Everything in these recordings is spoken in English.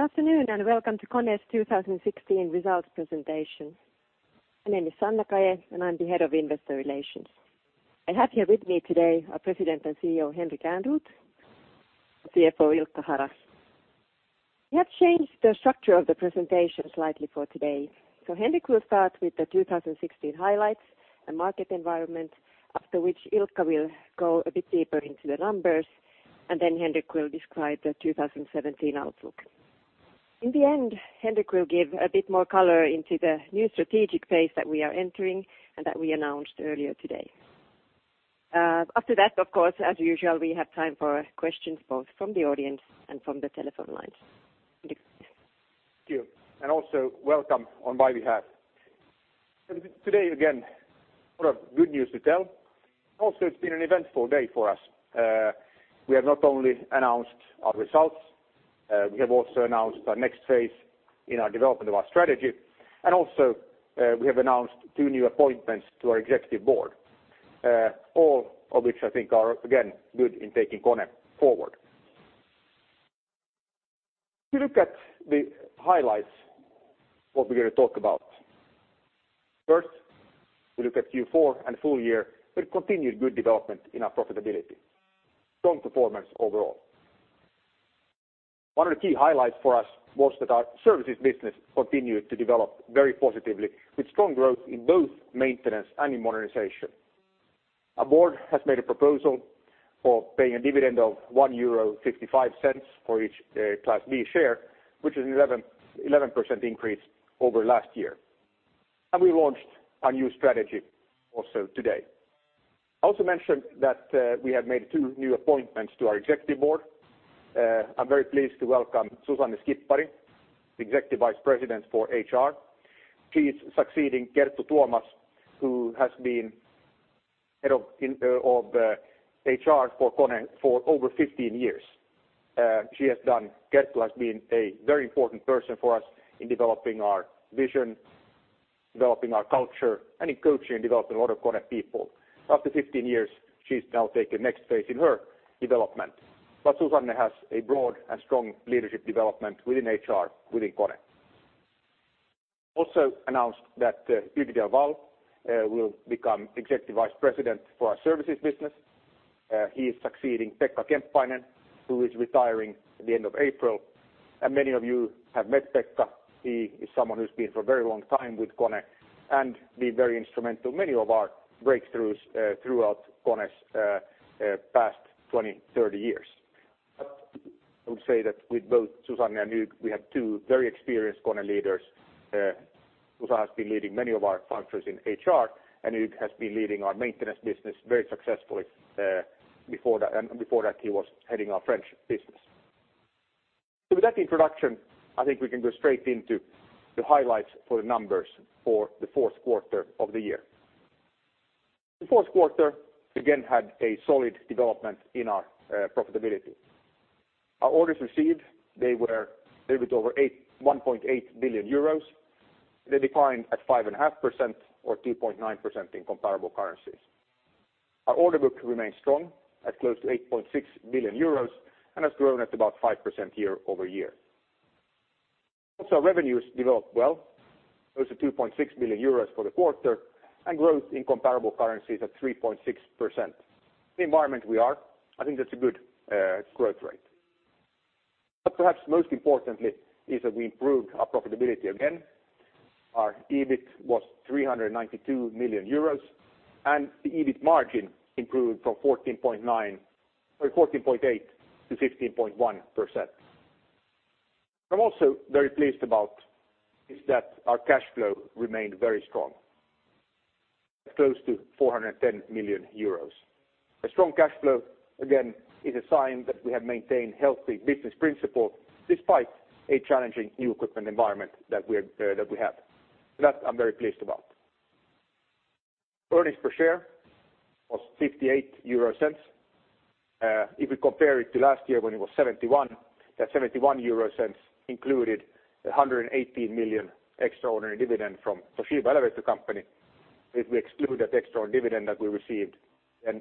Good afternoon, and welcome to KONE's 2016 results presentation. My name is Sanna Kaje, and I'm the Head of Investor Relations. I have here with me today our President and CEO, Henrik Ehrnrooth, and CFO, Ilkka Hara. We have changed the structure of the presentation slightly for today. Henrik will start with the 2016 highlights and market environment. After which Ilkka will go a bit deeper into the numbers. Henrik will describe the 2017 outlook. In the end, Henrik will give a bit more color into the new strategic phase that we are entering, and that we announced earlier today. After that, of course, as usual, we have time for questions both from the audience and from the telephone lines. Henrik. Thank you. Also welcome on my behalf. Today, again, a lot of good news to tell. It's been an eventful day for us. We have not only announced our results, we have also announced our next phase in our development of our strategy. We have announced two new appointments to our executive board. All of which I think are again, good in taking KONE forward. If you look at the highlights, what we're going to talk about. First, we look at Q4 and full year with continued good development in our profitability. Strong performance overall. One of the key highlights for us was that our services business continued to develop very positively with strong growth in both maintenance and in modernization. Our board has made a proposal for paying a dividend of 1.55 euro for each class B share, which is an 11% increase over last year. We launched our new strategy also today. I also mentioned that we have made two new appointments to our executive board. I'm very pleased to welcome Susanne Skippari, Executive Vice President for HR. She is succeeding Kerttu Tuomas, who has been head of HR for KONE for over 15 years. Kerttu has been a very important person for us in developing our vision, developing our culture, and in coaching and developing a lot of KONE people. After 15 years, she's now taking the next phase in her development. Susanne has a broad and strong leadership development within HR within KONE. Announced that Jyri Kivihalme will become Executive Vice President for our services business. He is succeeding Pekka Kemppainen, who is retiring at the end of April. Many of you have met Pekka. He is someone who's been for a very long time with KONE and been very instrumental in many of our breakthroughs throughout KONE's past 20, 30 years. I would say that with both Susanne and Jyri, we have two very experienced KONE leaders. Susanne has been leading many of our functions in HR, and Jyri has been leading our maintenance business very successfully. Before that, he was heading our French business. With that introduction, I think we can go straight into the highlights for the numbers for the fourth quarter of the year. The fourth quarter again had a solid development in our profitability. Our orders received, they were a little bit over 1.8 billion euros. They declined at 5.5% or 2.9% in comparable currencies. Our order book remains strong at close to 8.6 billion euros and has grown at about 5% year-over-year. Our revenues developed well, close to 2.6 billion euros for the quarter and growth in comparable currencies of 3.6%. The environment we are, I think that's a good growth rate. Perhaps most importantly is that we improved our profitability again. Our EBIT was 392 million euros, and the EBIT margin improved from 14.8% to 15.1%. I'm also very pleased about is that our cash flow remained very strong at close to 410 million euros. A strong cash flow again is a sign that we have maintained healthy business principles despite a challenging new equipment environment that we have. That I'm very pleased about. Earnings per share was 0.58. If we compare it to last year when it was 0.71, that 0.71 included 118 million extraordinary dividend from Toshiba Elevator Company. If we exclude that extra dividend that we received,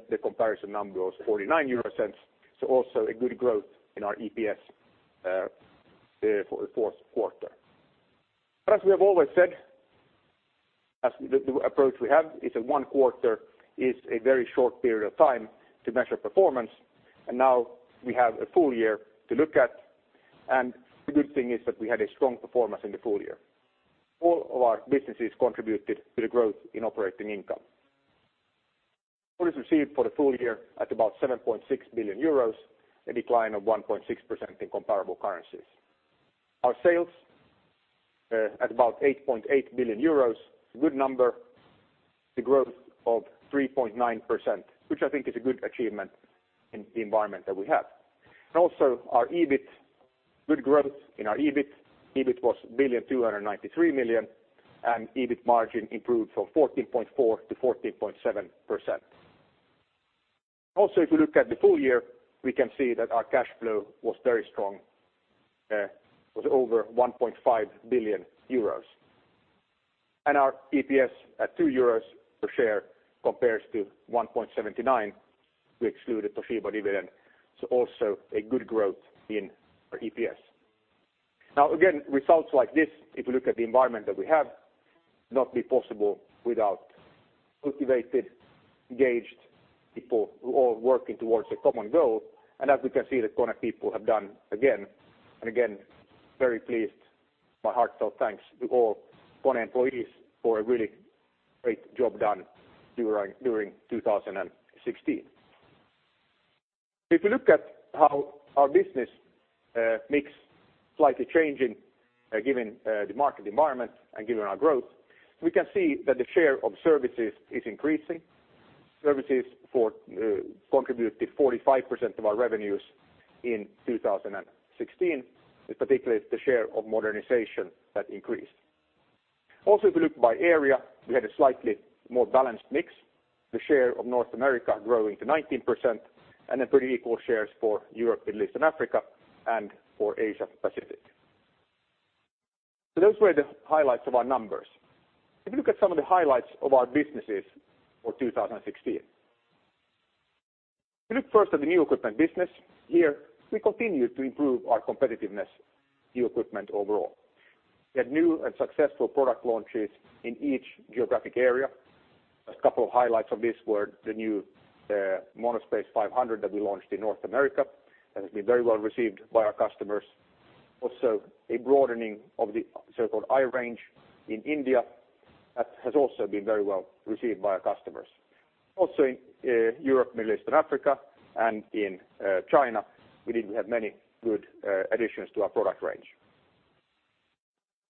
the comparison number was 0.49, also a good growth in our EPS for the fourth quarter. As we have always said, as the approach we have is that one quarter is a very short period of time to measure performance, now we have a full year to look at, the good thing is that we had a strong performance in the full year. All of our businesses contributed to the growth in operating income. Orders received for the full year at about 7.6 billion euros, a decline of 1.6% in comparable currencies. Our sales at about 8.8 billion euros, a good number, the growth of 3.9%, which I think is a good achievement in the environment that we have. Also our EBIT, good growth in our EBIT. EBIT was 1,293 million, EBIT margin improved from 14.4% to 14.7%. Also, if we look at the full year, we can see that our cash flow was very strong. It was over 1.5 billion euros. Our EPS at 2 euros per share compares to 1.79. We excluded Toshiba dividend, also a good growth in our EPS. Again, results like this, if you look at the environment that we have, would not be possible without motivated, engaged people who are all working towards a common goal. As we can see, the KONE people have done again and again, very pleased. My heartfelt thanks to all KONE employees for a really great job done during 2016. If you look at how our business mix slightly changing, given the market environment and given our growth, we can see that the share of services is increasing. Services contributed to 45% of our revenues in 2016. In particular, it's the share of modernization that increased. Also, if you look by area, we had a slightly more balanced mix. The share of North America growing to 19% and pretty equal shares for Europe, Middle East and Africa and for Asia Pacific. Those were the highlights of our numbers. If you look at some of the highlights of our businesses for 2016. If you look first at the new equipment business, here we continue to improve our competitiveness, new equipment overall. We had new and successful product launches in each geographic area. A couple of highlights of this were the new MonoSpace 500 that we launched in North America that has been very well received by our customers. A broadening of the so-called I range in India that has also been very well received by our customers. In Europe, Middle East and Africa and in China we did have many good additions to our product range.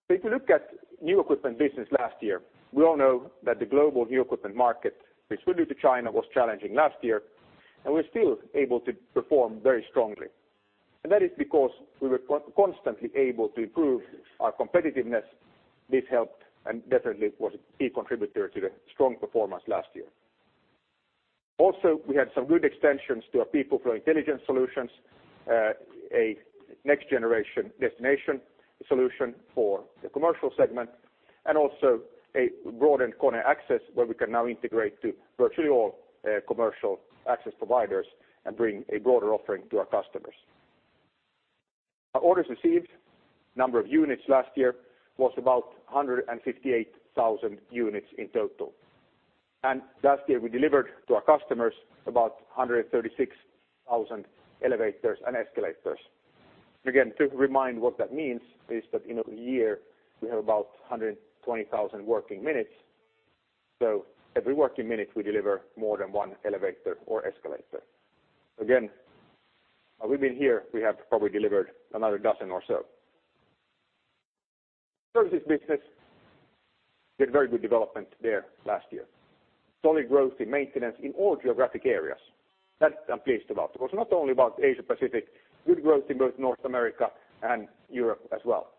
If you look at new equipment business last year, we all know that the global new equipment market, which we do to China, was challenging last year and we are still able to perform very strongly. That is because we were constantly able to improve our competitiveness. This helped and definitely was a key contributor to the strong performance last year. We had some good extensions to our People Flow Intelligence solutions, a next generation destination solution for the commercial segment and also a broadened KONE Access, where we can now integrate to virtually all commercial access providers and bring a broader offering to our customers. Our orders received, number of units last year was about 158,000 units in total. Last year we delivered to our customers about 136,000 elevators and escalators. Again, to remind what that means is that in a year we have about 120,000 working minutes. Every working minute we deliver more than one elevator or escalator. Again, while we have been here, we have probably delivered another dozen or so. Services business did very good development there last year. Solid growth in maintenance in all geographic areas. That I am pleased about because not only about Asia Pacific, good growth in both North America and Europe as well.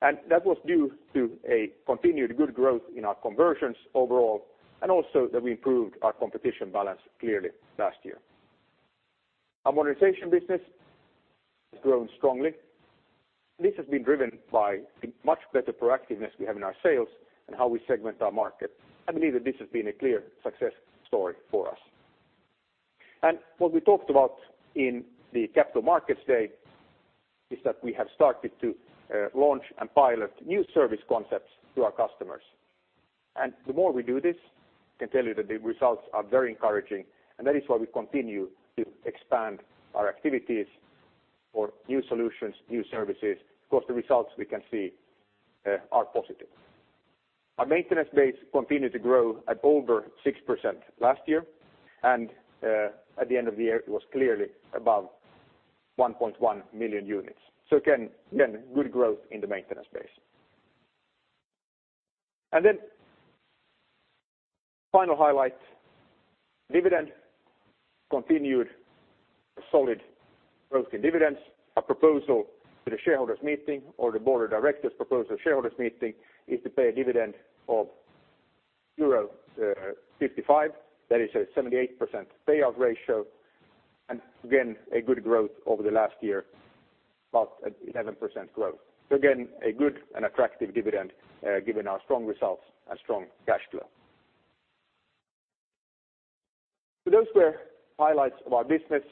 That was due to a continued good growth in our conversions overall, and also that we improved our competition balance clearly last year. Our modernization business has grown strongly. This has been driven by much better proactiveness we have in our sales and how we segment our market. I believe that this has been a clear success story for us. What we talked about in the capital markets day is that we have started to launch and pilot new service concepts to our customers. The more we do this, I can tell you that the results are very encouraging and that is why we continue to expand our activities for new solutions, new services, because the results we can see are positive. Our maintenance base continued to grow at over 6% last year, and at the end of the year it was clearly above 1.1 million units. Again, good growth in the maintenance base. Then final highlight, dividend continued a solid growth in dividends. Our proposal to the shareholders meeting or the board of directors proposal to shareholders meeting is to pay a dividend of euro 1.55. That is a 78% payout ratio and again, a good growth over the last year. About 11% growth. Again, a good and attractive dividend given our strong results and strong cash flow. Those were highlights of our business,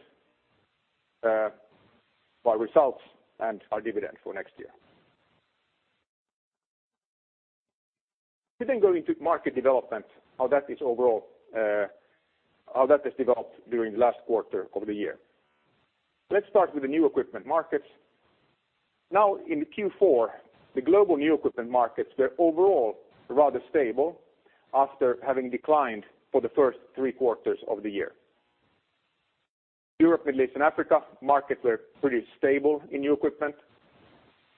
our results and our dividend for next year. We go into market development, how that has developed during the last quarter of the year. Let's start with the new equipment markets. Now in Q4, the global new equipment markets were overall rather stable after having declined for the first three quarters of the year. Europe, Middle East and Africa markets were pretty stable in new equipment.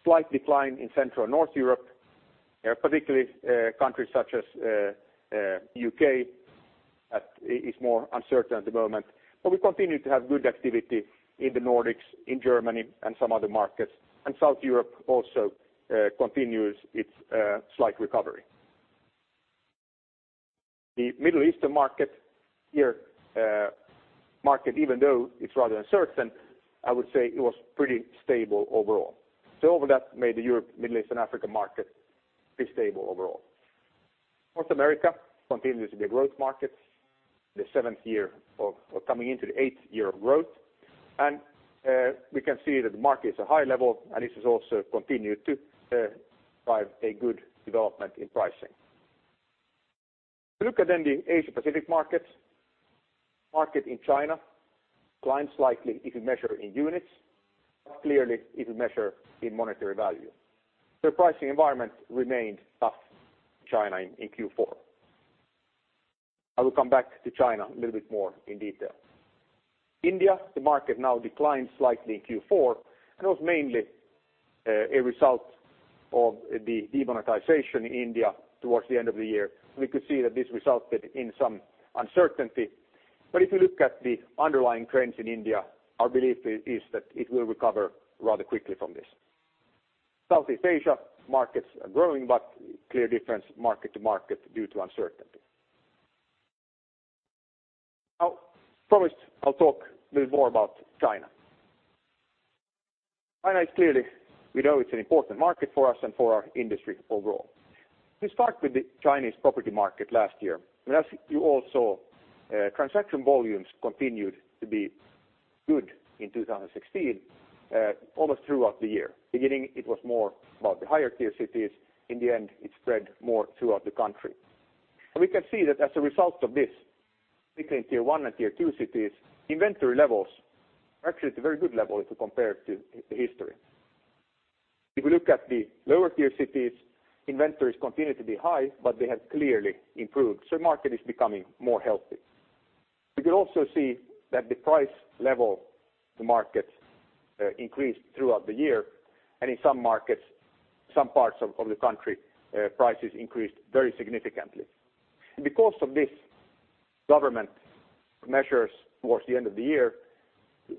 Slight decline in Central and North Europe, particularly countries such as U.K. that is more uncertain at the moment. We continue to have good activity in the Nordics, in Germany and some other markets. South Europe also continues its slight recovery. The Middle Eastern market here, even though it's rather uncertain, I would say it was pretty stable overall. Overall that made the Europe, Middle East, and Africa market pretty stable overall. North America continues to be a growth market, the seventh year or coming into the eighth year of growth. We can see that the market is at a high level, and this has also continued to drive a good development in pricing. If you look at the Asia Pacific market. Market in China declined slightly if you measure in units, but clearly if you measure in monetary value. Their pricing environment remained tough in China in Q4. I will come back to China a little bit more in detail. India, the market now declined slightly in Q4 and was mainly a result of the demonetization in India towards the end of the year. We could see that this resulted in some uncertainty, but if you look at the underlying trends in India, our belief is that it will recover rather quickly from this. Southeast Asia markets are growing but clear difference market to market due to uncertainty. Now, promised I'll talk a little more about China. We know it's an important market for us and for our industry overall. If you start with the Chinese property market last year, as you all saw, transaction volumes continued to be good in 2016, almost throughout the year. Beginning, it was more about the higher tier cities. In the end, it spread more throughout the country. We can see that as a result of this, between tier 1 and tier 2 cities, inventory levels are actually at a very good level if you compare it to the history. If you look at the lower tier cities, inventories continue to be high, but they have clearly improved. Market is becoming more healthy. We can also see that the price level of the markets increased throughout the year, and in some markets, some parts of the country, prices increased very significantly. Because of this, government measures towards the end of the year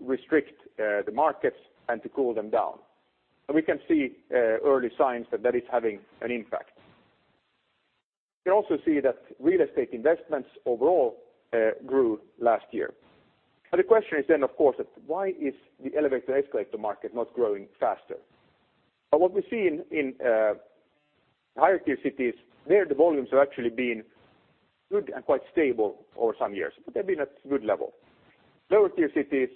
restrict the markets and to cool them down. We can see early signs that is having an impact. We can also see that real estate investments overall grew last year. Now the question is then of course, why is the elevator and escalator market not growing faster? What we see in higher tier cities, there the volumes have actually been good and quite stable over some years, but they've been at a good level. Lower tier cities'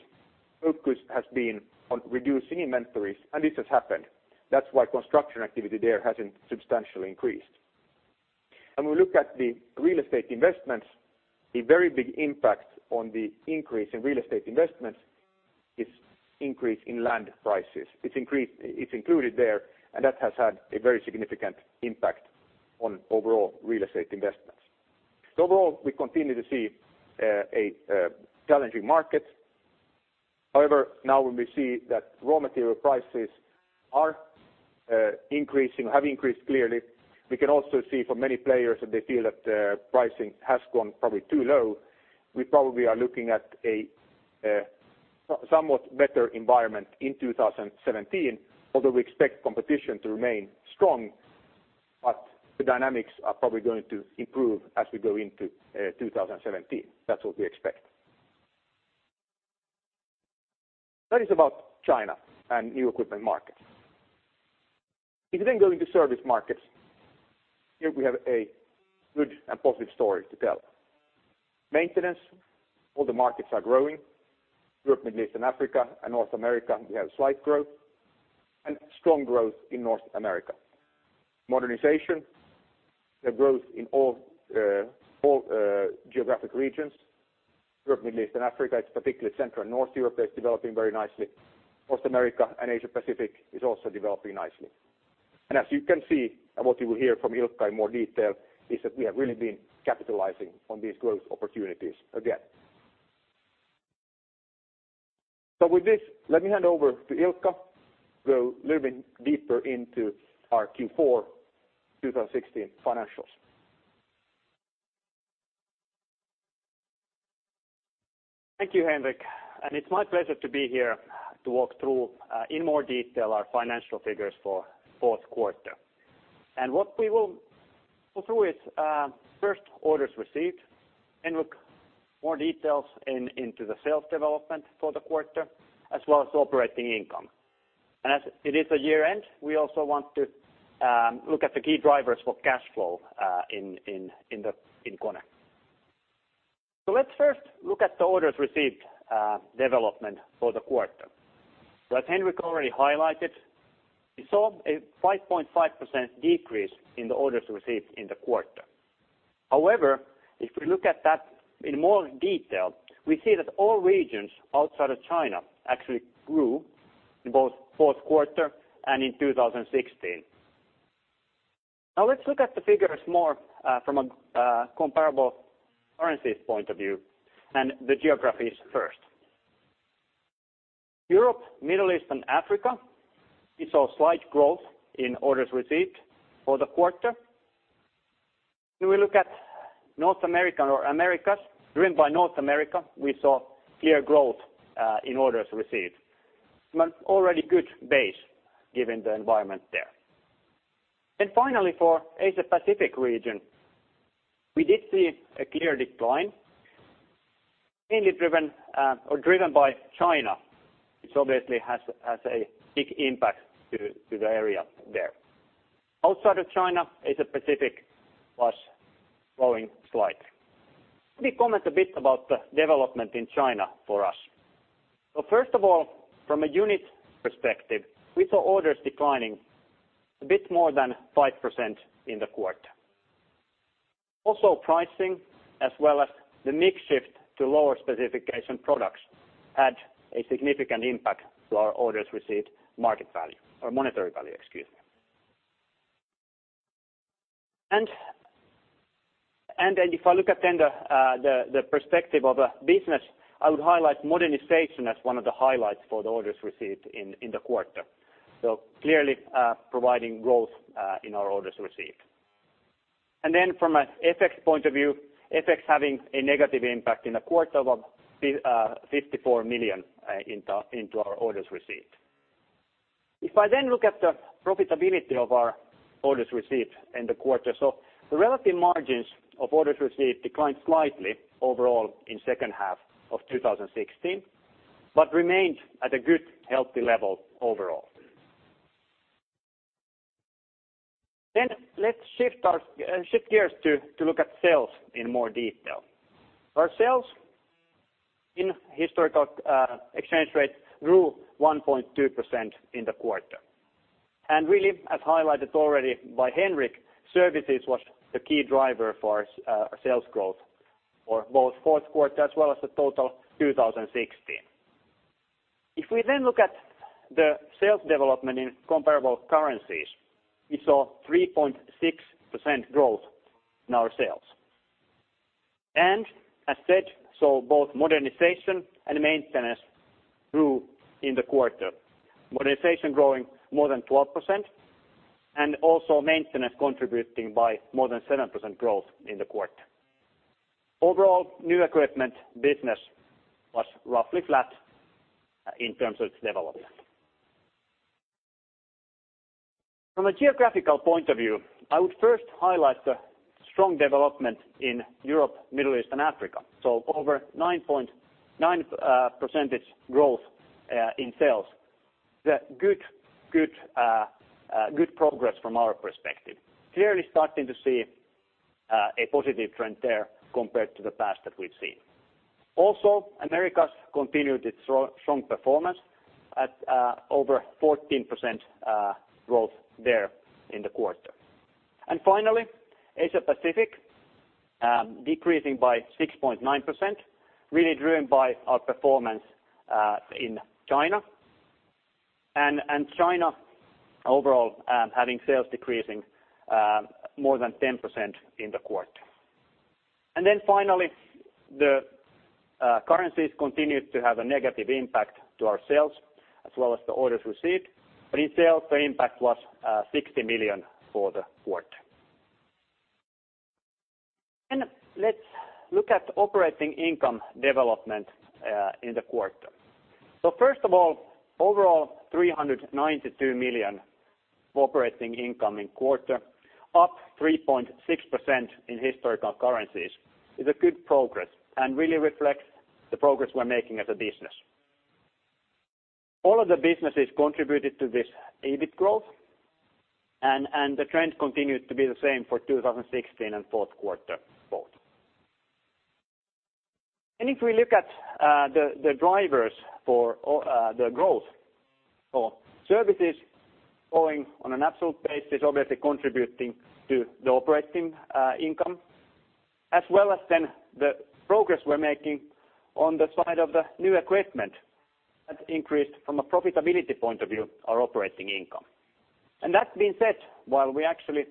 focus has been on reducing inventories, and this has happened. That's why construction activity there hasn't substantially increased. We look at the real estate investments, a very big impact on the increase in real estate investments is increase in land prices. It's included there, and that has had a very significant impact on overall real estate investments. Overall, we continue to see a challenging market. However, now when we see that raw material prices are increasing or have increased clearly, we can also see for many players that they feel that pricing has gone probably too low. We probably are looking at a somewhat better environment in 2017, although we expect competition to remain strong. The dynamics are probably going to improve as we go into 2017. That is what we expect. That is about China and new equipment market. We go into service markets, here we have a good and positive story to tell. Maintenance, all the markets are growing. Europe, Middle East, and Africa and North America, we have slight growth. Strong growth in North America. Modernization, a growth in all geographic regions. Europe, Middle East, and Africa, it is particularly Central and North Europe that is developing very nicely. North America and Asia Pacific is also developing nicely. As you can see, and what you will hear from Ilkka in more detail, is that we have really been capitalizing on these growth opportunities again. With this, let me hand over to Ilkka to go a little bit deeper into our Q4 2016 financials. Thank you, Henrik. It is my pleasure to be here to walk through, in more detail, our financial figures for fourth quarter. What we will go through is first orders received, look more details into the sales development for the quarter, as well as operating income. As it is a year-end, we also want to look at the key drivers for cash flow in KONE. Let us first look at the orders received development for the quarter. As Henrik already highlighted, we saw a 5.5% decrease in the orders received in the quarter. However, if we look at that in more detail, we see that all regions outside of China actually grew in both fourth quarter and in 2016. Let us look at the figures more from a comparable currencies point of view and the geographies first. Europe, Middle East, and Africa, we saw slight growth in orders received for the quarter. When we look at North America or Americas, driven by North America, we saw clear growth in orders received. An already good base given the environment there. Finally, for Asia Pacific region, we did see a clear decline mainly driven or driven by China, which obviously has a big impact to the area there. Outside of China, Asia Pacific was growing slightly. Let me comment a bit about the development in China for us. First of all, from a unit perspective, we saw orders declining a bit more than 5% in the quarter. Also pricing as well as the mix shift to lower specification products had a significant impact to our orders received market value or monetary value, excuse me. If I look at the perspective of a business, I would highlight modernization as one of the highlights for the orders received in the quarter. Clearly, providing growth, in our orders received. From a FX point of view, FX having a negative impact in the quarter of 54 million into our orders received. I look at the profitability of our orders received in the quarter. The relative margins of orders received declined slightly overall in second half of 2016, but remained at a good, healthy level overall. Let us shift gears to look at sales in more detail. Our sales in historical exchange rate grew 1.2% in the quarter. Really as highlighted already by Henrik, services was the key driver for sales growth for both fourth quarter as well as the total 2016. If we then look at the sales development in comparable currencies, we saw 3.6% growth in our sales. As said, both modernization and maintenance grew in the quarter. Modernization growing more than 12% and also maintenance contributing by more than 7% growth in the quarter. Overall, new equipment business was roughly flat in terms of its development. From a geographical point of view, I would first highlight the strong development in Europe, Middle East and Africa. Over 9% growth in sales. Good progress from our perspective. Clearly starting to see a positive trend there compared to the past that we've seen. Americas continued its strong performance at over 14% growth there in the quarter. Finally, Asia Pacific decreasing by 6.9%, really driven by our performance in China. China overall having sales decreasing more than 10% in the quarter. Finally, the currencies continued to have a negative impact to our sales as well as the orders received. But in sales the impact was 60 million for the quarter. Let's look at operating income development in the quarter. First of all, overall 392 million of operating income in quarter, up 3.6% in historical currencies is good progress and really reflects the progress we're making as a business. All of the businesses contributed to this EBIT growth and the trend continued to be the same for 2016 and fourth quarter both. If we look at the drivers for the growth. Services growing on an absolute basis, obviously contributing to the operating income as well as the progress we're making on the side of the new equipment that increased from a profitability point of view, our operating income. That being said, while we actually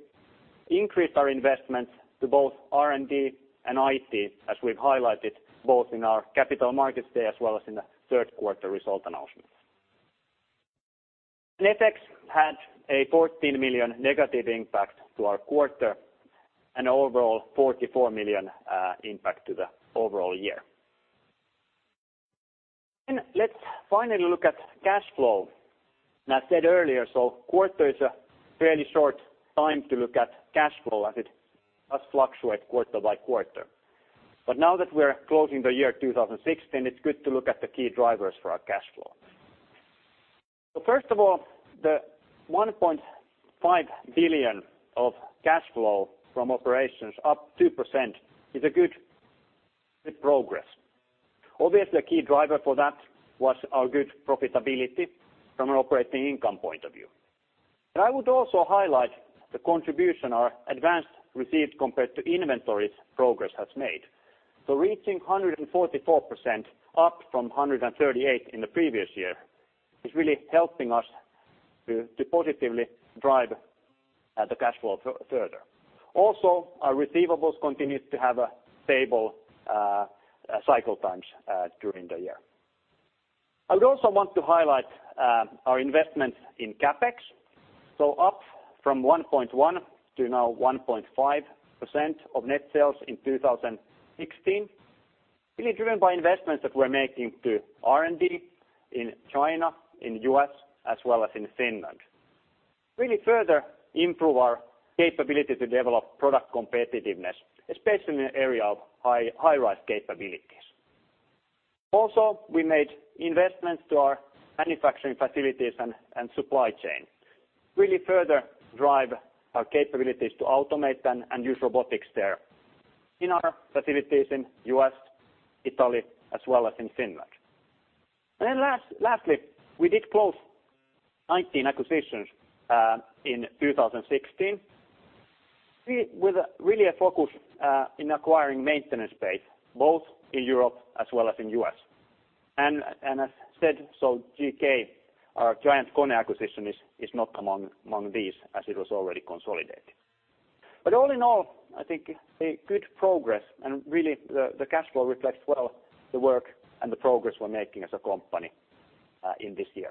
increased our investments to both R&D and IT, as we've highlighted both in our capital markets day as well as in the third quarter result announcement. FX had a 14 million negative impact to our quarter and overall 44 million impact to the overall year. Let's finally look at cash flow. As said earlier, quarter is a fairly short time to look at cash flow as it does fluctuate quarter by quarter. But now that we're closing the year 2016, it's good to look at the key drivers for our cash flow. First of all, the 1.5 billion of cash flow from operations up 2% is good progress. Obviously, a key driver for that was our good profitability from an operating income point of view. I would also highlight the contribution our advanced received compared to inventories progress has made. Reaching 144% up from 138 in the previous year is really helping us to positively drive the cash flow further. Our receivables continued to have stable cycle times during the year. I would also want to highlight our investments in CapEx. Up from 1.1% to now 1.5% of net sales in 2016, really driven by investments that we're making to R&D in China, in U.S., as well as in Finland. Really further improve our capability to develop product competitiveness, especially in the area of high-rise capabilities. Also, we made investments to our manufacturing facilities and supply chain. Really further drive our capabilities to automate them and use robotics there in our facilities in U.S., Italy, as well as in Finland. Lastly, we did close 19 acquisitions in 2016. With really a focus in acquiring maintenance base, both in Europe as well as in U.S. GK, our GiantKONE acquisition is not among these as it was already consolidated. All in all, I think a good progress and really the cash flow reflects well the work and the progress we're making as a company in this year.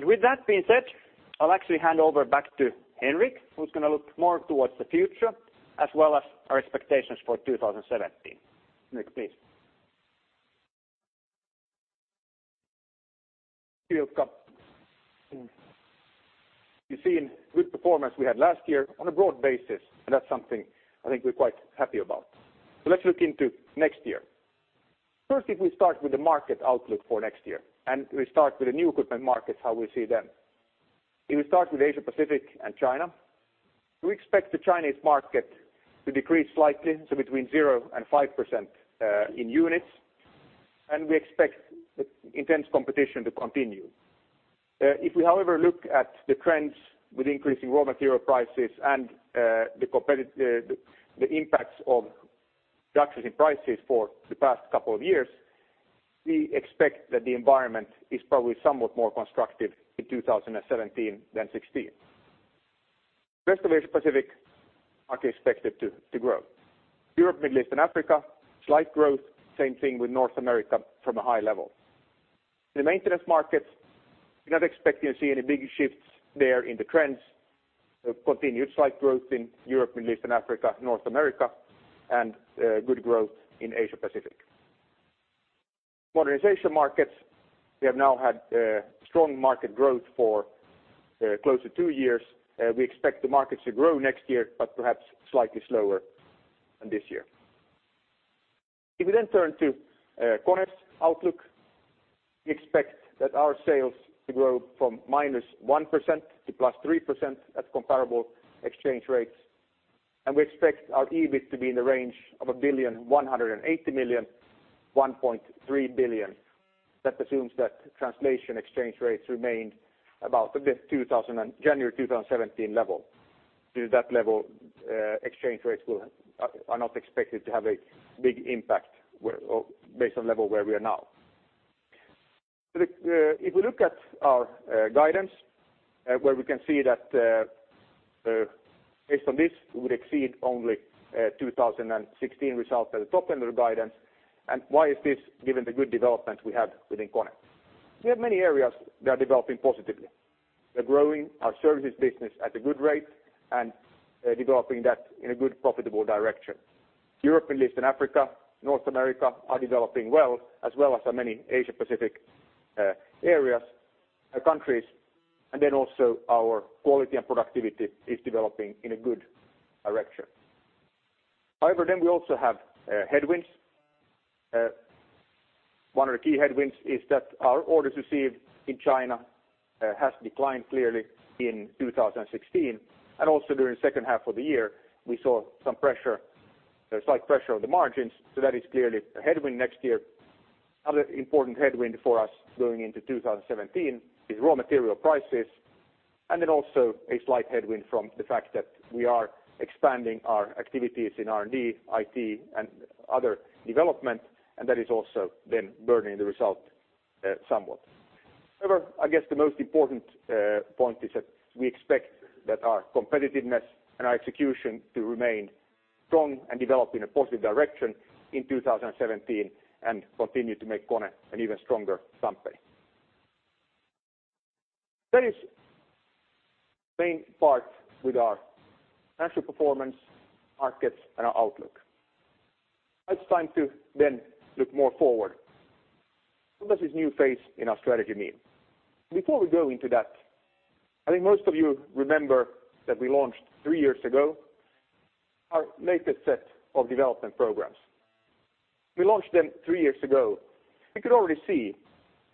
With that being said, I'll actually hand over back to Henrik, who's going to look more towards the future as well as our expectations for 2017. Henrik, please. Thank you, Ilkka. You've seen good performance we had last year on a broad basis, and that's something I think we're quite happy about. Let's look into next year. First, if we start with the market outlook for next year, we start with the new equipment markets, how we see them. If we start with Asia-Pacific and China, we expect the Chinese market to decrease slightly, so between 0% and 5% in units, we expect the intense competition to continue. If we however, look at the trends with increasing raw material prices and the impacts of reductions in prices for the past couple of years, we expect that the environment is probably somewhat more constructive in 2017 than 2016. Rest of Asia-Pacific are expected to grow. Europe, Middle East and Africa, slight growth, same thing with North America from a high level. In the maintenance markets, we're not expecting to see any big shifts there in the trends. Continued slight growth in Europe, Middle East and Africa, North America, and good growth in Asia-Pacific. Modernization markets, we have now had strong market growth for close to two years. We expect the markets to grow next year, perhaps slightly slower than this year. We turn to KONE's outlook, we expect that our sales to grow from -1% to +3% at comparable exchange rates. We expect our EBIT to be in the range of 1.18 billion-1.3 billion. That assumes that translation exchange rates remain about the January 2017 level. To that level exchange rates are not expected to have a big impact based on level where we are now. If we look at our guidance, where we can see that based on this, we would exceed only 2016 results at the top end of the guidance. Why is this, given the good development we have within KONE? We have many areas that are developing positively. We're growing our services business at a good rate and developing that in a good profitable direction. Europe, Middle East, and Africa, North America are developing well, as well as many Asia-Pacific areas, countries. Also our quality and productivity is developing in a good direction. However, we also have headwinds. One of the key headwinds is that our orders received in China has declined clearly in 2016. During the second half of the year, we saw some pressure, a slight pressure on the margins. That is clearly a headwind next year. Other important headwind for us going into 2017 is raw material prices, and then also a slight headwind from the fact that we are expanding our activities in R&D, IT, and other development, and that is also then burdening the result somewhat. I guess the most important point is that we expect that our competitiveness and our execution to remain strong and develop in a positive direction in 2017 and continue to make KONE an even stronger company. That is main part with our financial performance, markets, and our outlook. It's time to look more forward. What does this new phase in our strategy mean? Before we go into that, I think most of you remember that we launched three years ago our latest set of development programs. We launched them three years ago. We could already see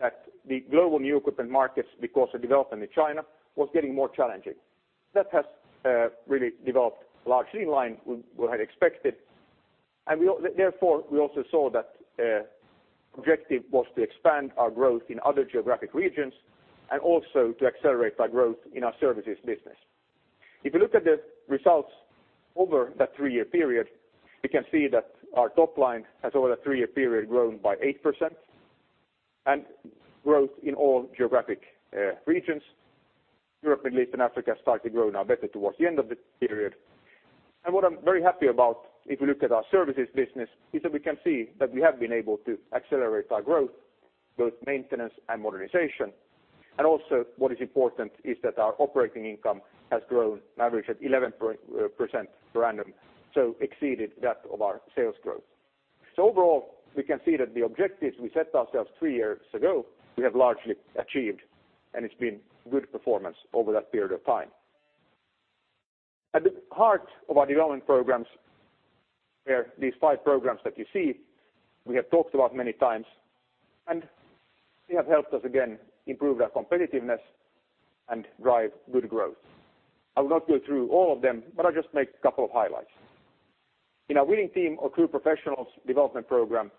that the global new equipment markets, because of development in China, was getting more challenging. That has really developed largely in line with what I'd expected. Therefore, we also saw that objective was to expand our growth in other geographic regions and also to accelerate our growth in our services business. If you look at the results over that three-year period, you can see that our top line has over that three-year period grown by 8%, and growth in all geographic regions. Europe, Middle East, and Africa started to grow now better towards the end of the period. What I'm very happy about, if we look at our services business, is that we can see that we have been able to accelerate our growth, both maintenance and modernization. Also, what is important is that our operating income has grown on average at 11% per annum, exceeded that of our sales growth. Overall, we can see that the objectives we set ourselves three years ago, we have largely achieved, and it's been good performance over that period of time. At the heart of our development programs were these five programs that you see, we have talked about many times, and they have helped us again, improve our competitiveness and drive good growth. I will not go through all of them, but I'll just make a couple of highlights. In our winning team or true professionals development program,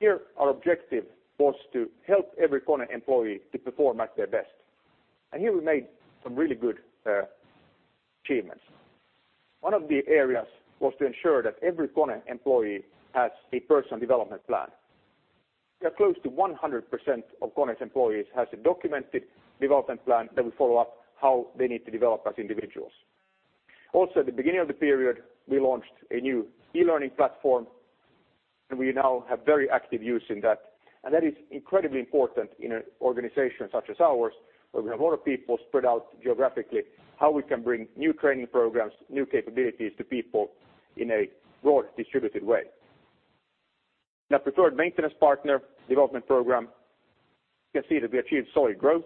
here our objective was to help every KONE employee to perform at their best. Here we made some really good achievements. One of the areas was to ensure that every KONE employee has a personal development plan. We are close to 100% of KONE's employees has a documented development plan that will follow up how they need to develop as individuals. Also, at the beginning of the period, we launched a new e-learning platform, and we now have very active use in that. That is incredibly important in an organization such as ours, where we have a lot of people spread out geographically, how we can bring new training programs, new capabilities to people in a broad, distributed way. In our preferred maintenance partner development program, you can see that we achieved solid growth.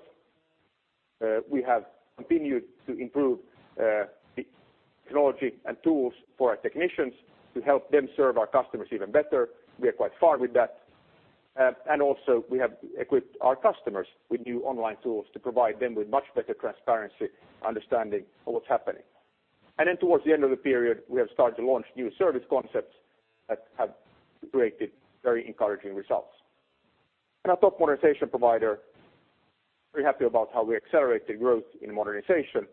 We have continued to improve the technology and tools for our technicians to help them serve our customers even better. We are quite far with that. Also, we have equipped our customers with new online tools to provide them with much better transparency, understanding of what's happening. Towards the end of the period, we have started to launch new service concepts that have created very encouraging results in our top modernization provider. We are very happy about how we accelerated growth in modernization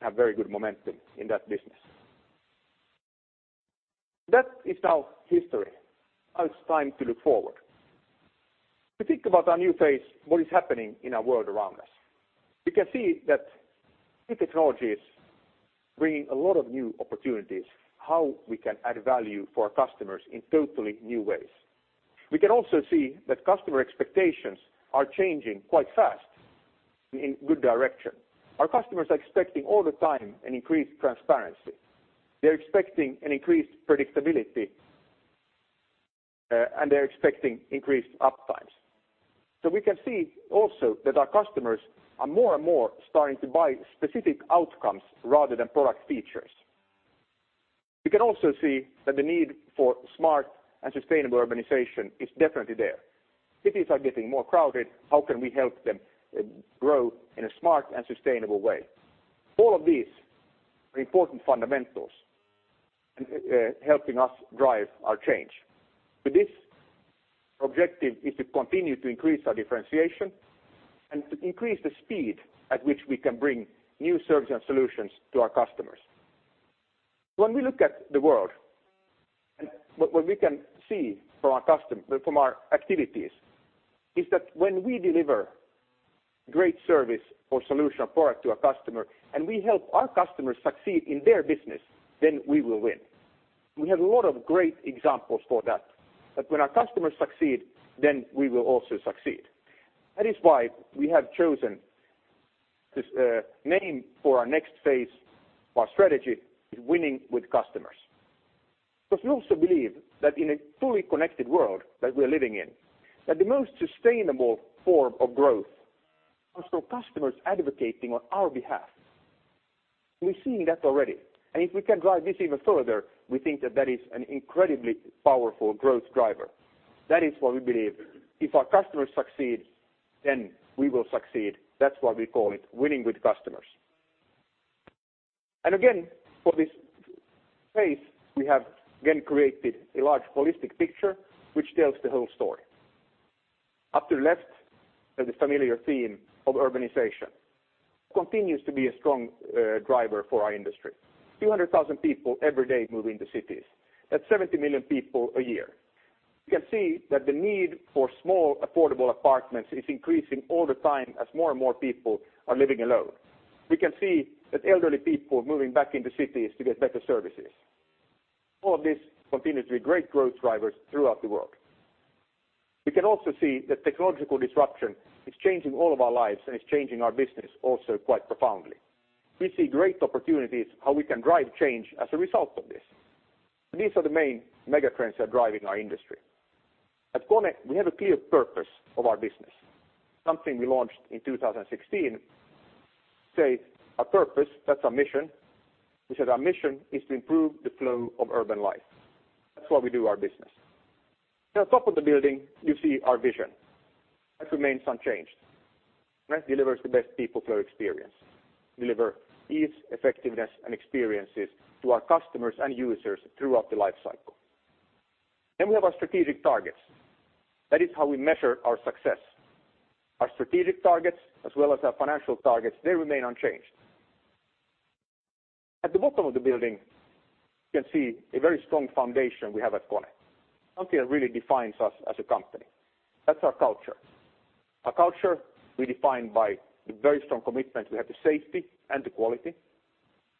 and have very good momentum in that business. That is now history. It's time to look forward. It is time to think about our new phase, what is happening in our world around us. We can see that new technology is bringing a lot of new opportunities, how we can add value for our customers in totally new ways. We can also see that customer expectations are changing quite fast in good direction. Our customers are expecting all the time an increased transparency. They're expecting an increased predictability. They're expecting increased uptimes. We can see also that our customers are more and more starting to buy specific outcomes rather than product features. We can also see that the need for smart and sustainable urbanization is definitely there. Cities are getting more crowded. How can we help them grow in a smart and sustainable way? All of these are important fundamentals in helping us drive our change. This objective is to continue to increase our differentiation and to increase the speed at which we can bring new services and solutions to our customers. When we look at the world and what we can see from our activities is that when we deliver great service or solution or product to a customer, and we help our customers succeed in their business, then we will win. We have a lot of great examples for that when our customers succeed, then we will also succeed. That is why we have chosen this name for our next phase of our strategy. Winning with customers. We also believe that in a fully connected world that we're living in, that the most sustainable form of growth comes from customers advocating on our behalf. We've seen that already, and if we can drive this even further, we think that that is an incredibly powerful growth driver. That is why we believe if our customers succeed, then we will succeed. That's why we call it winning with customers. For this phase, we have again created a large holistic picture which tells the whole story. Up to the left, there's this familiar theme of urbanization. It continues to be a strong driver for our industry. 200,000 people every day move into cities. That's 70 million people a year. We can see that the need for small, affordable apartments is increasing all the time as more and more people are living alone. We can see that elderly people are moving back into cities to get better services. All of this continues to be great growth drivers throughout the world. We can also see that technological disruption is changing all of our lives and is changing our business also quite profoundly. We see great opportunities how we can drive change as a result of this. These are the main mega trends that are driving our industry. At KONE, we have a clear purpose of our business, something we launched in 2016 to say our purpose, that's our mission. We said our mission is to improve the flow of urban life. That's why we do our business. At the top of the building, you see our vision. That remains unchanged. KONE delivers the best people flow experience. Deliver ease, effectiveness, and experiences to our customers and users throughout the life cycle. We have our strategic targets. That is how we measure our success. Our strategic targets as well as our financial targets, they remain unchanged. At the bottom of the building, you can see a very strong foundation we have at KONE. Something that really defines us as a company. That's our culture. Our culture we define by the very strong commitment we have to safety and to quality,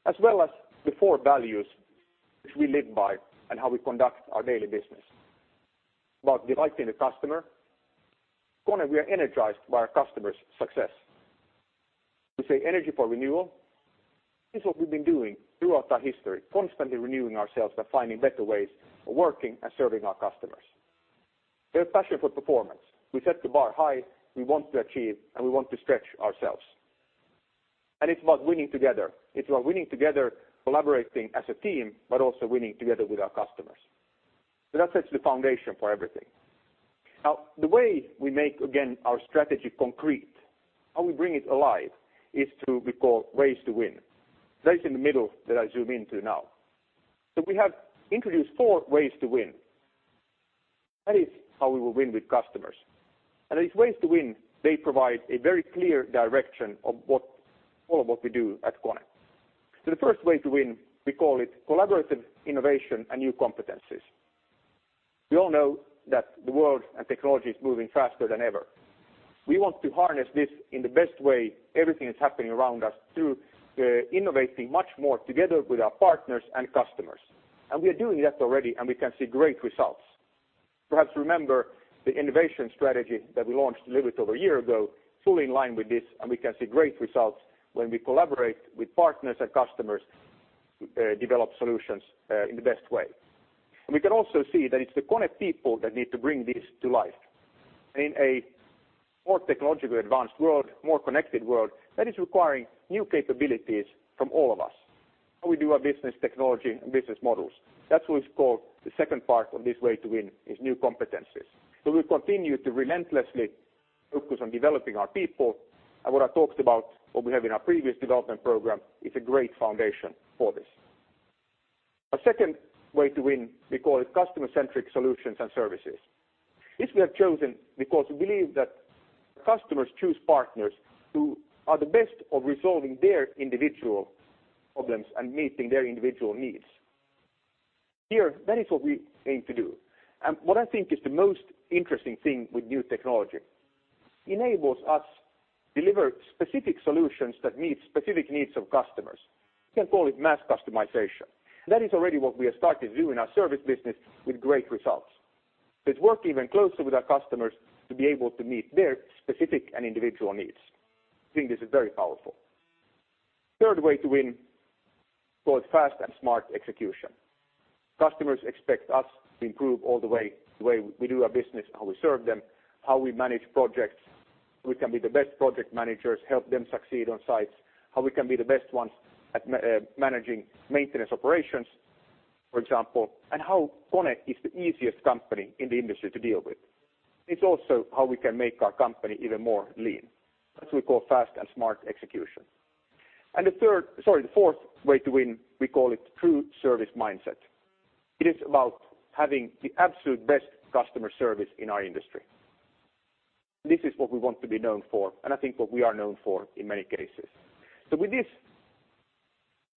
as well as the four values which we live by and how we conduct our daily business. About delighting the customer, KONE, we are energized by our customers' success. We say energy for renewal. This is what we've been doing throughout our history, constantly renewing ourselves by finding better ways of working and serving our customers. We have passion for performance. We set the bar high, we want to achieve, and we want to stretch ourselves. It's about winning together. It's about winning together, collaborating as a team, but also winning together with our customers. That sets the foundation for everything. Now, the way we make, again, our strategy concrete, how we bring it alive, is through we call Ways to Win. That is in the middle that I zoom into now. We have introduced four Ways to Win. That is how we will win with customers. These Ways to Win, they provide a very clear direction of all of what we do at KONE. The first Way to Win, we call it collaborative innovation and new competencies. We all know that the world and technology is moving faster than ever. We want to harness this in the best way everything is happening around us through innovating much more together with our partners and customers. We are doing that already, and we can see great results. Perhaps remember the innovation strategy that we launched a little bit over a year ago, fully in line with this, and we can see great results when we collaborate with partners and customers to develop solutions in the best way. We can also see that it's the KONE people that need to bring this to life. In a more technologically advanced world, more connected world, that is requiring new capabilities from all of us. How we do our business technology and business models. That's what we call the second part of this Way to Win, is new competencies. We'll continue to relentlessly focus on developing our people. What I talked about, what we have in our previous development program, is a great foundation for this. Our second Way to Win, we call it customer-centric solutions and services. This we have chosen because we believe that customers choose partners who are the best of resolving their individual problems and meeting their individual needs. Here, that is what we aim to do. What I think is the most interesting thing with new technology, enables us deliver specific solutions that meet specific needs of customers. You can call it mass customization. That is already what we have started to do in our service business with great results. It's working even closer with our customers to be able to meet their specific and individual needs. I think this is very powerful. Third Way to Win, we call it fast and smart execution. Customers expect us to improve all the way, the way we do our business and how we serve them, how we manage projects. We can be the best project managers, help them succeed on sites, how we can be the best ones at managing maintenance operations, for example, and how KONE is the easiest company in the industry to deal with. It's also how we can make our company even more lean. That we call fast and smart execution. The fourth Way to Win, we call it true service mindset. It is about having the absolute best customer service in our industry. This is what we want to be known for, and I think what we are known for in many cases. With this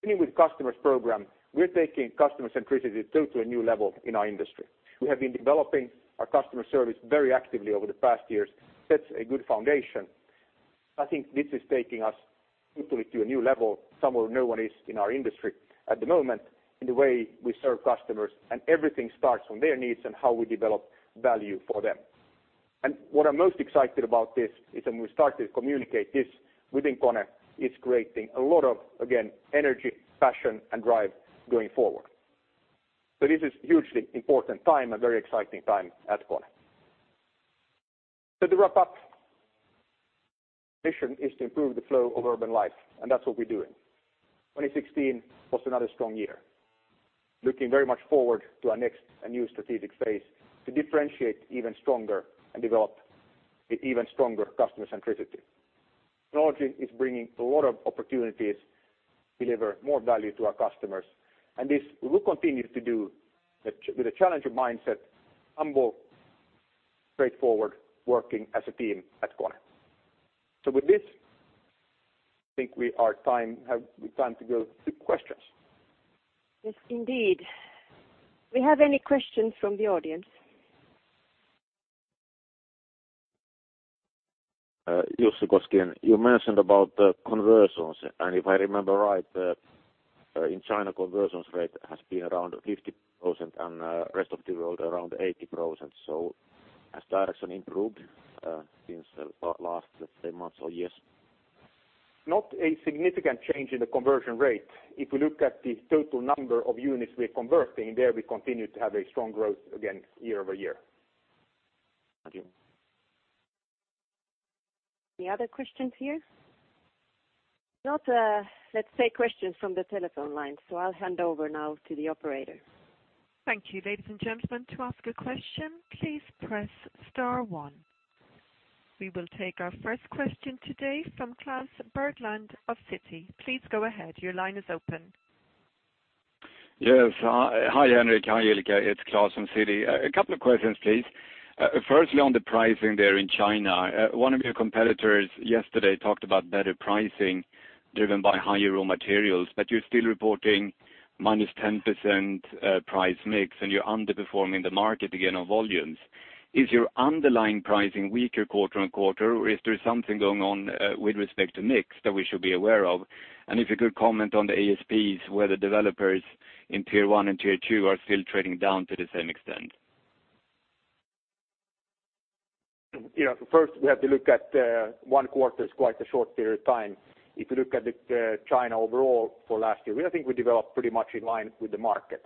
Winning with Customers program, we're taking customer centricity to a new level in our industry. We have been developing our customer service very actively over the past years. That's a good foundation. I think this is taking us totally to a new level, somewhere no one is in our industry at the moment in the way we serve customers, everything starts from their needs and how we develop value for them. What I'm most excited about this is when we start to communicate this within KONE, it's creating a lot of, again, energy, passion, and drive going forward. This is hugely important time, a very exciting time at KONE. To wrap up, our mission is to improve the flow of urban life, and that's what we're doing. 2016 was another strong year. Looking very much forward to our next and new strategic phase to differentiate even stronger and develop even stronger customer centricity. Technology is bringing a lot of opportunities to deliver more value to our customers. This, we will continue to do with a challenger mindset, humble, straightforward, working as a team at KONE. With this, I think we have time to go to questions. Yes, indeed. Do we have any questions from the audience? Jussi Koskinen. You mentioned about the conversions, and if I remember right, in China, conversions rate has been around 50%, and rest of the world around 80%. Has that actually improved since last, let's say, months or years? Not a significant change in the conversion rate. If you look at the total number of units we're converting, there we continue to have a strong growth again year-over-year. Thank you. Any other questions here? If not, let's take questions from the telephone line. I'll hand over now to the operator. Thank you, ladies and gentlemen. To ask a question, please press star one. We will take our first question today from Klas Bergelind of Citi. Please go ahead. Your line is open. Yes. Hi, Henrik. Hi, Ilkka. It's Klas from Citi. A couple of questions, please. Firstly, on the pricing there in China. One of your competitors yesterday talked about better pricing driven by higher raw materials, you're still reporting -10% price mix, and you're underperforming the market again on volumes. Is your underlying pricing weaker quarter-on-quarter, or is there something going on with respect to mix that we should be aware of? If you could comment on the ASPs, whether developers in tier 1 and tier 2 are still trading down to the same extent. First, we have to look at one quarter is quite a short period of time. If you look at China overall for last year, I think we developed pretty much in line with the market.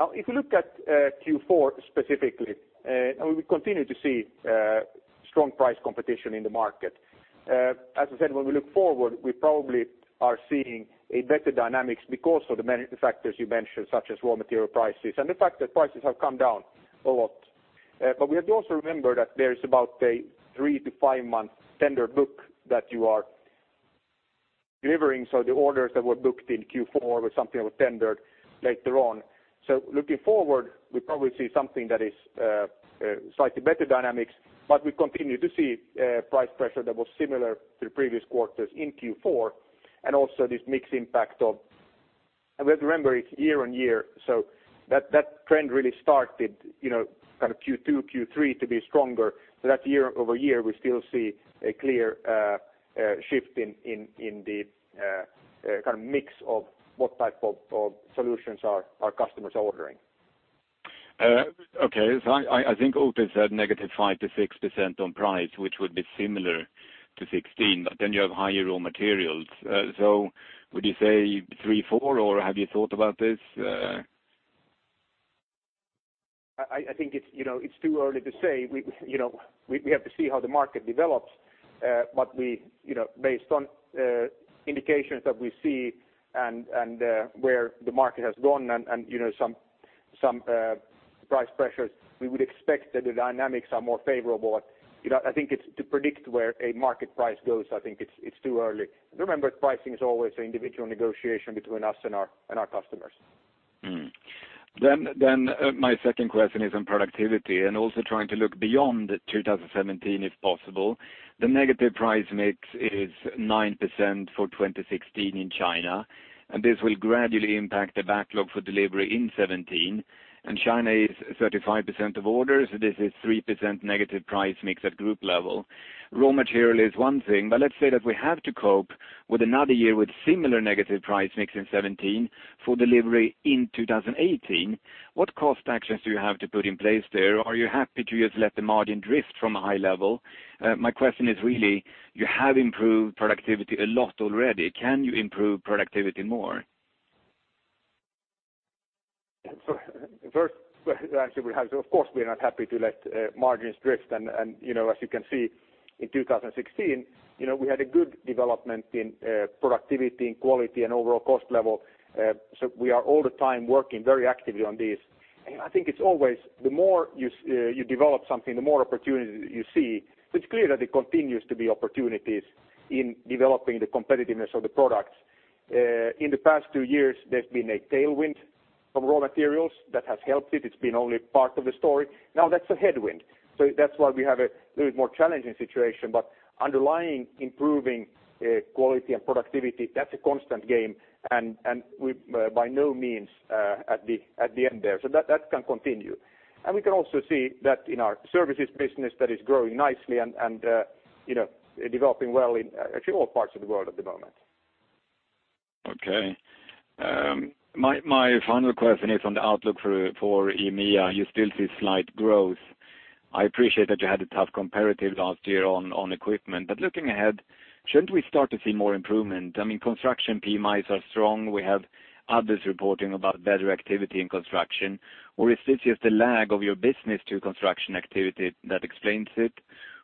Now, if you look at Q4 specifically, we continue to see strong price competition in the market. As I said, when we look forward, we probably are seeing a better dynamics because of the many factors you mentioned, such as raw material prices and the fact that prices have come down a lot. We have to also remember that there is about a three to five-month tender book that you are delivering. The orders that were booked in Q4 were something that were tendered later on. Looking forward, we probably see something that is slightly better dynamics, we continue to see price pressure that was similar to the previous quarters in Q4 and also this mix impact. We have to remember it's year-on-year, that trend really started out of Q2, Q3 to be stronger. That year-over-year, we still see a clear shift in the mix of what type of solutions our customers are ordering. I think Otis said negative 5%-6% on price, which would be similar to 2016. You have higher raw materials. Would you say 3, 4, or have you thought about this? I think it's too early to say. We have to see how the market develops. Based on indications that we see and where the market has gone and some price pressures, we would expect that the dynamics are more favorable. I think to predict where a market price goes, I think it's too early. Remember, pricing is always an individual negotiation between us and our customers. My second question is on productivity and also trying to look beyond 2017 if possible. The negative price mix is 9% for 2016 in China, and this will gradually impact the backlog for delivery in 2017. China is 35% of orders. This is 3% negative price mix at group level. Raw material is one thing, let's say that we have to cope with another year with similar negative price mix in 2017 for delivery in 2018. What cost actions do you have to put in place there? Are you happy to just let the margin drift from a high level? My question is really, you have improved productivity a lot already. Can you improve productivity more? First, actually, of course, we are not happy to let margins drift. As you can see in 2016, we had a good development in productivity and quality and overall cost level. We are all the time working very actively on this. I think it's always the more you develop something, the more opportunities you see. It's clear that there continues to be opportunities in developing the competitiveness of the products. In the past two years, there's been a tailwind from raw materials that has helped it. It's been only part of the story. Now that's a headwind. That's why we have a little bit more challenging situation. Underlying improving quality and productivity, that's a constant game, and we're by no means at the end there. That can continue. We can also see that in our services business, that is growing nicely and developing well in actually all parts of the world at the moment. Okay. My final question is on the outlook for EMEA. You still see slight growth. I appreciate that you had a tough comparative last year on equipment, looking ahead, shouldn't we start to see more improvement? Construction PMIs are strong. We have others reporting about better activity in construction. Is this just a lag of your business to construction activity that explains it?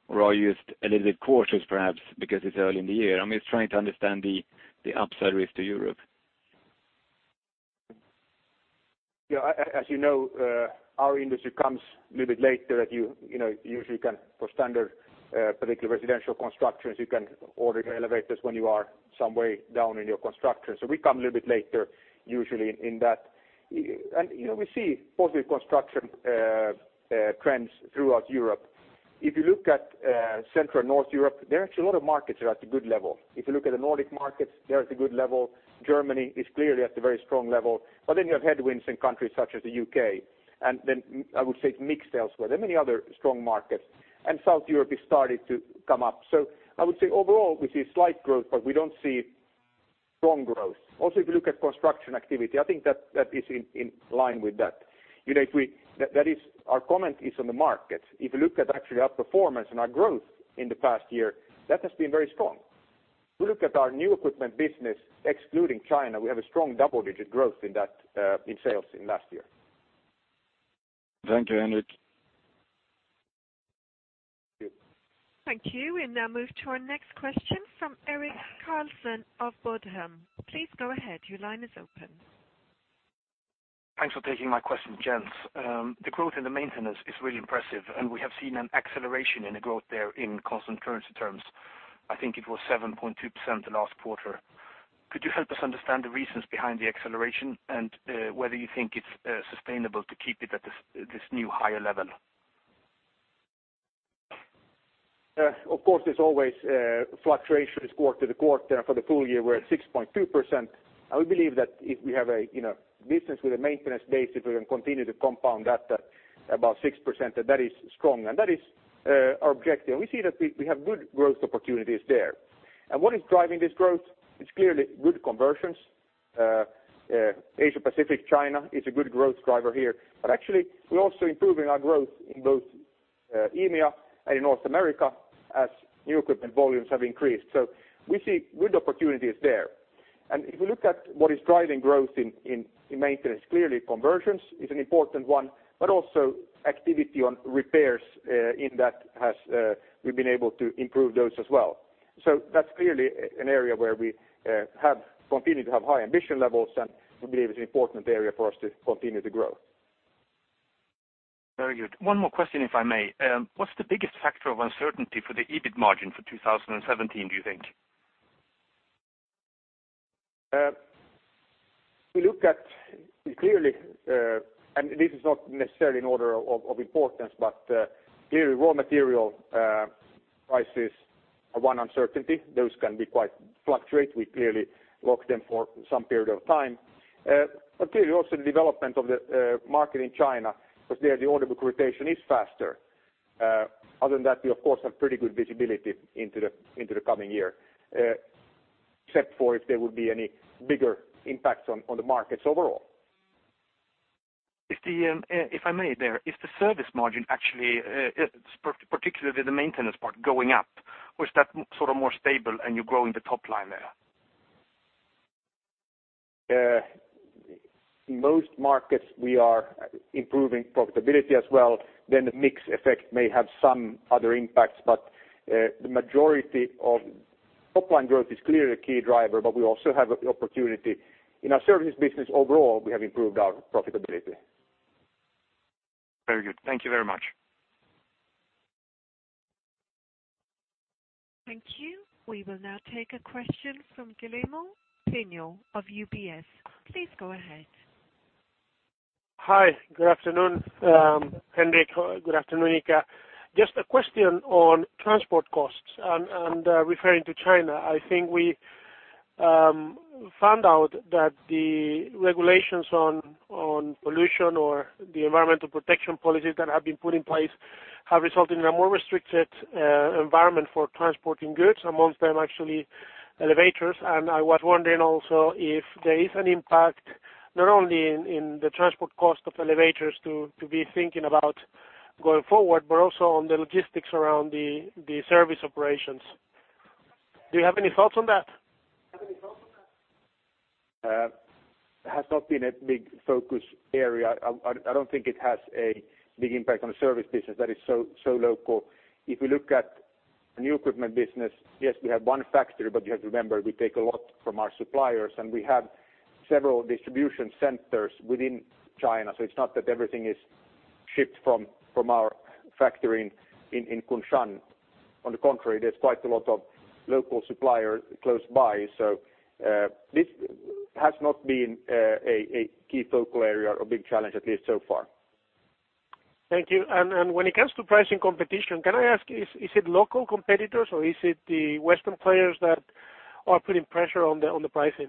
Are you a little bit cautious perhaps because it's early in the year? I'm just trying to understand the upside risk to Europe. As you know, our industry comes a little bit later. Usually for standard particular residential constructions, you can order your elevators when you are some way down in your construction. We come a little bit later usually in that. We see positive construction trends throughout Europe. If you look at Central and North Europe, there are actually a lot of markets that are at a good level. If you look at the Nordic markets, they're at a good level. Germany is clearly at a very strong level. You have headwinds in countries such as the U.K., and then I would say it's mixed elsewhere. There are many other strong markets, and South Europe is starting to come up. I would say overall, we see slight growth, but we don't see strong growth. Also, if you look at construction activity, I think that is in line with that. Our comment is on the market. If you look at actually our performance and our growth in the past year, that has been very strong. If you look at our new equipment business, excluding China, we have a strong double-digit growth in sales in last year. Thank you, Henrik. Thank you. We now move to our next question from Erik Karlsson of Bodenholm. Please go ahead. Your line is open. Thanks for taking my question, gents. The growth in the maintenance is really impressive. We have seen an acceleration in the growth there in constant currency terms. I think it was 7.2% the last quarter. Could you help us understand the reasons behind the acceleration and whether you think it's sustainable to keep it at this new higher level? Of course, there's always fluctuations quarter to quarter. For the full year, we're at 6.2%. We believe that if we have a business with a maintenance base, we can continue to compound that at about 6%. That is strong. That is our objective. We see that we have good growth opportunities there. What is driving this growth? It's clearly good conversions. Asia Pacific, China is a good growth driver here. Actually, we're also improving our growth in both EMEA and in North America as new equipment volumes have increased. We see good opportunities there. If we look at what is driving growth in maintenance, clearly conversions is an important one, but also activity on repairs in that, we've been able to improve those as well. That's clearly an area where we have continued to have high ambition levels, and we believe it's an important area for us to continue to grow. Very good. One more question, if I may. What's the biggest factor of uncertainty for the EBIT margin for 2017, do you think? We look at, clearly, and this is not necessarily in order of importance, but clearly raw material prices are one uncertainty. Those can quite fluctuate. We clearly lock them for some period of time. Clearly also the development of the market in China, because there the order book rotation is faster. Other than that, we of course have pretty good visibility into the coming year. Except for if there will be any bigger impacts on the markets overall. If I may there, is the service margin actually, particularly the maintenance part, going up? Is that more stable and you're growing the top line there? In most markets, we are improving profitability as well. The mix effect may have some other impacts, but the majority of top line growth is clearly a key driver, but we also have opportunity. In our services business overall, we have improved our profitability. Very good. Thank you very much. Thank you. We will now take a question from Guillermo Peigneuxof UBS. Please go ahead. Hi. Good afternoon, Henrik. Good afternoon, Ilkka. Just a question on transport costs and referring to China. I think we found out that the regulations on pollution or the environmental protection policies that have been put in place have resulted in a more restricted environment for transporting goods, amongst them actually elevators. I was wondering also if there is an impact, not only in the transport cost of elevators to be thinking about going forward, but also on the logistics around the service operations. Do you have any thoughts on that? It has not been a big focus area. I don't think it has a big impact on the service business that is so local. If we look at the new equipment business, yes, we have one factory, but you have to remember, we take a lot from our suppliers, and we have several distribution centers within China. It's not that everything is shipped from our factory in Kunshan. On the contrary, there's quite a lot of local suppliers close by. This has not been a key focal area or big challenge, at least so far. Thank you. When it comes to pricing competition, can I ask, is it local competitors or is it the Western players that are putting pressure on the pricing?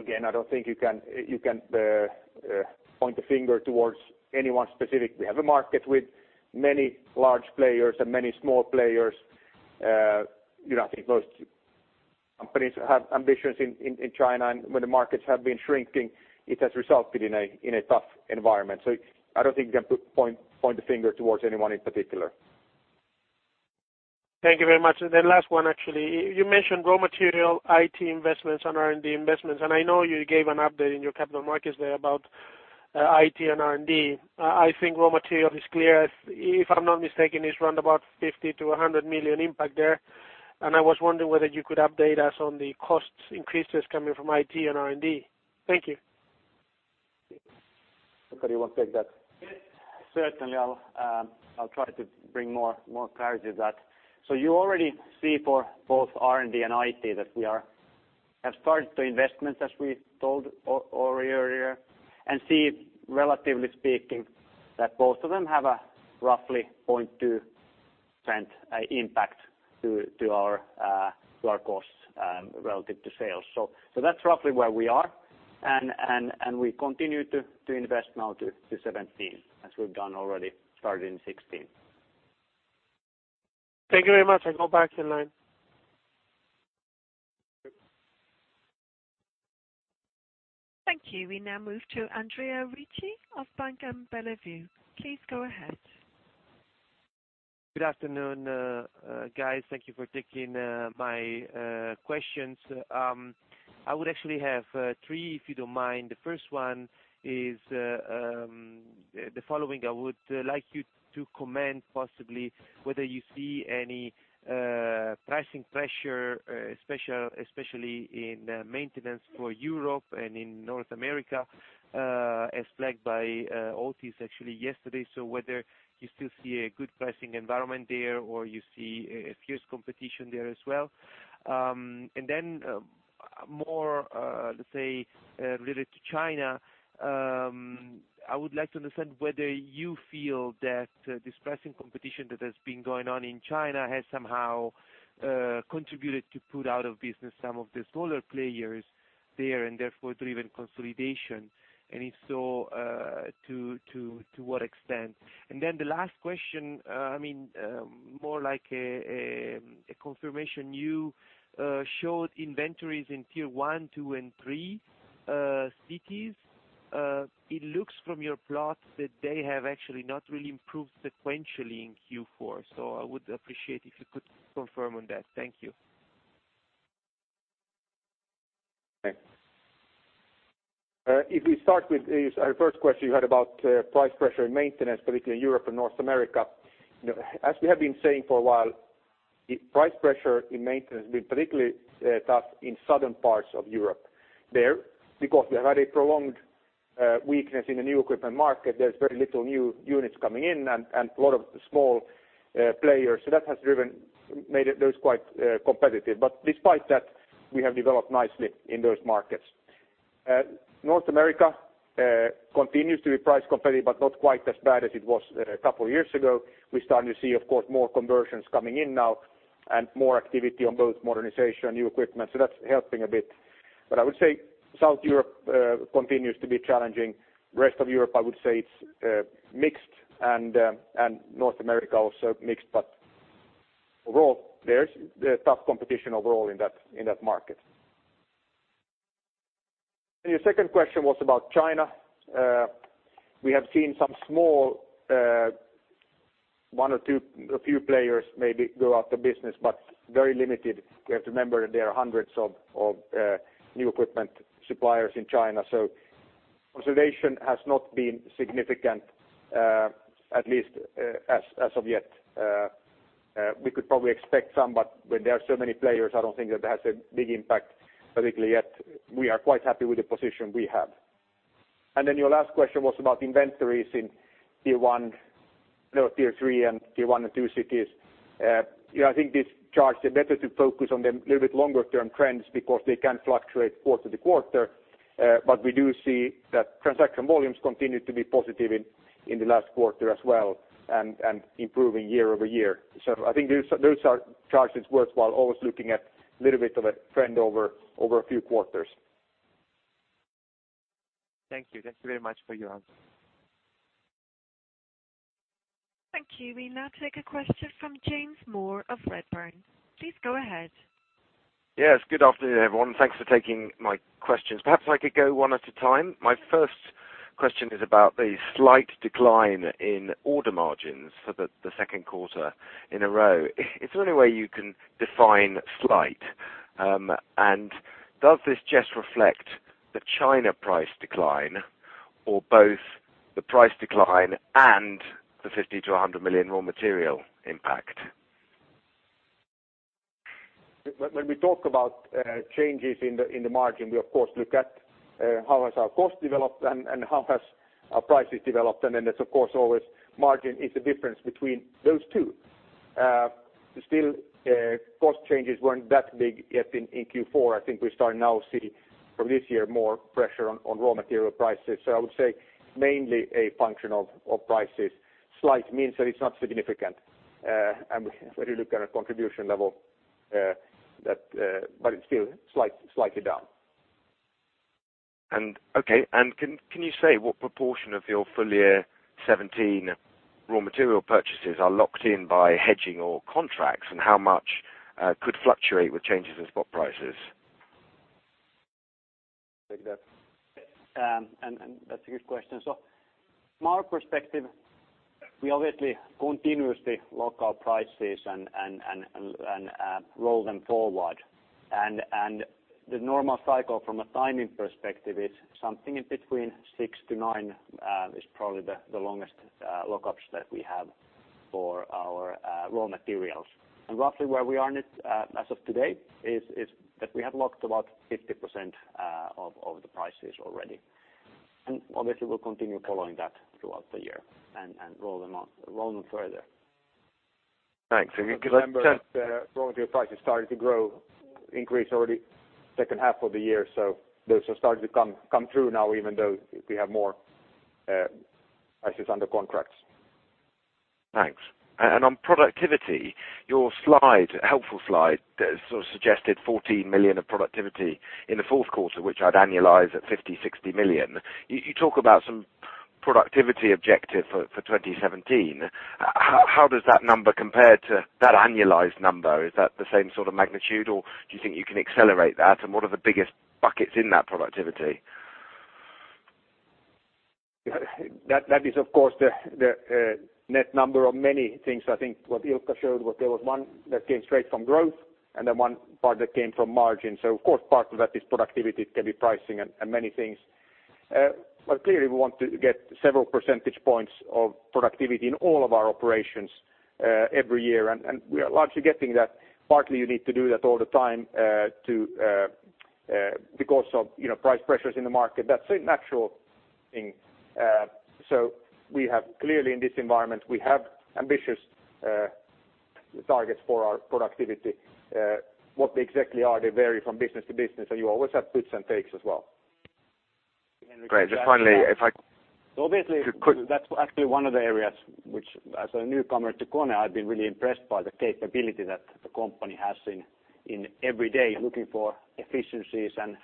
Again, I don't think you can point a finger towards anyone specific. We have a market with many large players and many small players. I think most companies have ambitions in China, and when the markets have been shrinking, it has resulted in a tough environment. I don't think you can point a finger towards anyone in particular. Thank you very much. Last one, actually. You mentioned raw material, IT investments, and R&D investments, I know you gave an update in your capital markets there about IT and R&D. I think raw material is clear. If I'm not mistaken, it's around about 50 million-100 million impact there, and I was wondering whether you could update us on the cost increases coming from IT and R&D. Thank you. Ilkka, do you want to take that? Yes. Certainly, I'll try to bring more clarity to that. You already see for both R&D and IT that we have started the investments, as we told earlier, and see, relatively speaking, that both of them have a roughly 0.2% impact to our costs relative to sales. That's roughly where we are, and we continue to invest now to 2017, as we've done already, started in 2016. Thank you very much. I go back in line. Thank you. We now move to Andrea Ricci of Bank am Bellevue. Please go ahead. Good afternoon, guys. Thank you for taking my questions. I would actually have three, if you don't mind. The first one is the following: I would like you to comment possibly whether you see any pricing pressure, especially in maintenance for Europe and in North America as flagged by Otis actually yesterday. Whether you still see a good pricing environment there or you see a fierce competition there as well. More, let's say, related to China. I would like to understand whether you feel that this pricing competition that has been going on in China has somehow contributed to put out of business some of the smaller players there and therefore driven consolidation. If so, to what extent? The last question, more like a confirmation. You showed inventories in tier 1, 2, and 3 cities. It looks from your plot that they have actually not really improved sequentially in Q4. I would appreciate if you could confirm on that. Thank you. Thanks. If we start with our first question you had about price pressure and maintenance, particularly Europe and North America. As we have been saying for a while, price pressure in maintenance been particularly tough in southern parts of Europe. There, because we had a prolonged weakness in the new equipment market, there's very little new units coming in and a lot of small players. That has driven those quite competitive. Despite that, we have developed nicely in those markets. North America continues to be price competitive but not quite as bad as it was a couple of years ago. We're starting to see, of course, more conversions coming in now and more activity on both modernization, new equipment. That's helping a bit. I would say South Europe continues to be challenging. Rest of Europe, I would say it's mixed and North America also mixed, but overall there's tough competition overall in that market. Your second question was about China. We have seen some small, one or two, a few players maybe go out of business, but very limited. We have to remember there are hundreds of new equipment suppliers in China. Consolidation has not been significant, at least as of yet. We could probably expect some, but when there are so many players, I don't think that has a big impact particularly yet. We are quite happy with the position we have. Your last question was about inventories in tier 3 and tier 1 and 2 cities. I think this chart, better to focus on the little bit longer-term trends because they can fluctuate quarter to quarter. we do see that transaction volumes continued to be positive in the last quarter as well and improving year-over-year. I think those are charts it's worthwhile always looking at little bit of a trend over a few quarters. Thank you. Thank you very much for your answer. Thank you. We now take a question from James Moore of Redburn. Please go ahead. Yes, good afternoon, everyone. Thanks for taking my questions. Perhaps I could go one at a time. My first question is about the slight decline in order margins for the second quarter in a row. Is there any way you can define slight? Does this just reflect the China price decline or both the price decline and the 50 million-100 million raw material impact? When we talk about changes in the margin, we of course look at how has our cost developed and how has our prices developed. Then there's of course, always margin is the difference between those two. Still, cost changes weren't that big yet in Q4. I think we're starting now see from this year more pressure on raw material prices. I would say mainly a function of prices. Slight means that it's not significant. When you look at a contribution level, but it's still slightly down. Okay. Can you say what proportion of your full year 2017 raw material purchases are locked in by hedging or contracts and how much could fluctuate with changes in spot prices? Take that. That's a good question. From our perspective, we obviously continuously lock our prices and roll them forward. The normal cycle from a timing perspective is something in between six to nine is probably the longest lockups that we have for our raw materials. Roughly where we are in it as of today is that we have locked about 50% of the prices already. Obviously we'll continue following that throughout the year and Roll them further. Thanks. Raw material prices started to grow, increase already second half of the year. Those have started to come through now even though we have more prices under contracts. Thanks. On productivity, your slide, helpful slide that sort of suggested 14 million of productivity in the fourth quarter, which I'd annualize at 50 million-60 million. You talk about some productivity objective for 2017. How does that number compare to that annualized number? Is that the same sort of magnitude, or do you think you can accelerate that? What are the biggest buckets in that productivity? That is, of course, the net number of many things. I think what Ilkka showed was there was one that came straight from growth and then one part that came from margin. Of course, part of that is productivity. It can be pricing and many things. Clearly we want to get several percentage points of productivity in all of our operations every year. We are largely getting that. Partly you need to do that all the time because of price pressures in the market. That's a natural thing. We have clearly in this environment, we have ambitious targets for our productivity. What they exactly are, they vary from business to business, so you always have gives and takes as well. Great. Just finally. Obviously. Could- That's actually one of the areas which, as a newcomer to KONE, I've been really impressed by the capability that the company has in every day looking for efficiencies and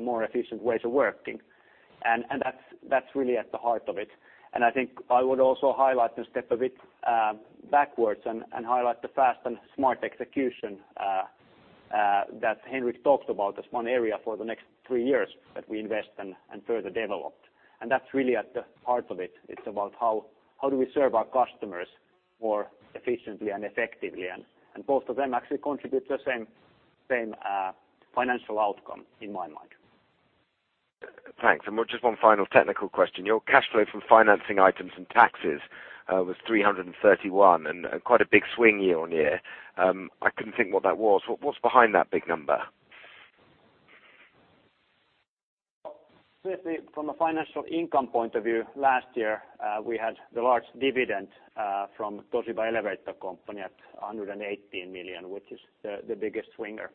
more efficient ways of working. That's really at the heart of it. I think I would also highlight and step a bit backwards and highlight the fast and smart execution that Henrik talked about as one area for the next three years that we invest in and further developed. That's really at the heart of it. It's about how do we serve our customers more efficiently and effectively. Both of them actually contribute the same financial outcome in my mind. Thanks. Just one final technical question. Your cash flow from financing items and taxes was 331 and quite a big swing year-on-year. I couldn't think what that was. What's behind that big number? Clearly, from a financial income point of view, last year, we had the large dividend from Toshiba Elevator Company at 118 million, which is the biggest swinger.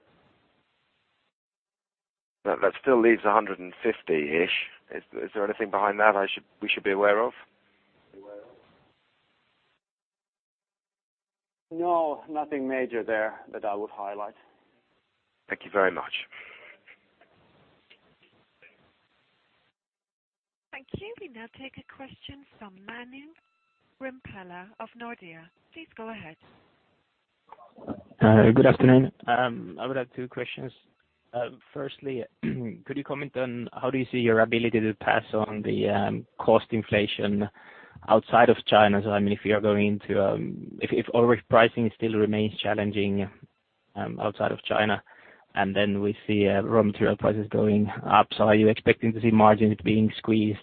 That still leaves 150-ish. Is there anything behind that we should be aware of? No, nothing major there that I would highlight. Thank you very much. Thank you. We now take a question from Mannin Rimpella of Nordea. Please go ahead. Good afternoon. I would have two questions. Firstly, could you comment on how do you see your ability to pass on the cost inflation outside of China? I mean, if order pricing still remains challenging outside of China, we see raw material prices going up. Are you expecting to see margins being squeezed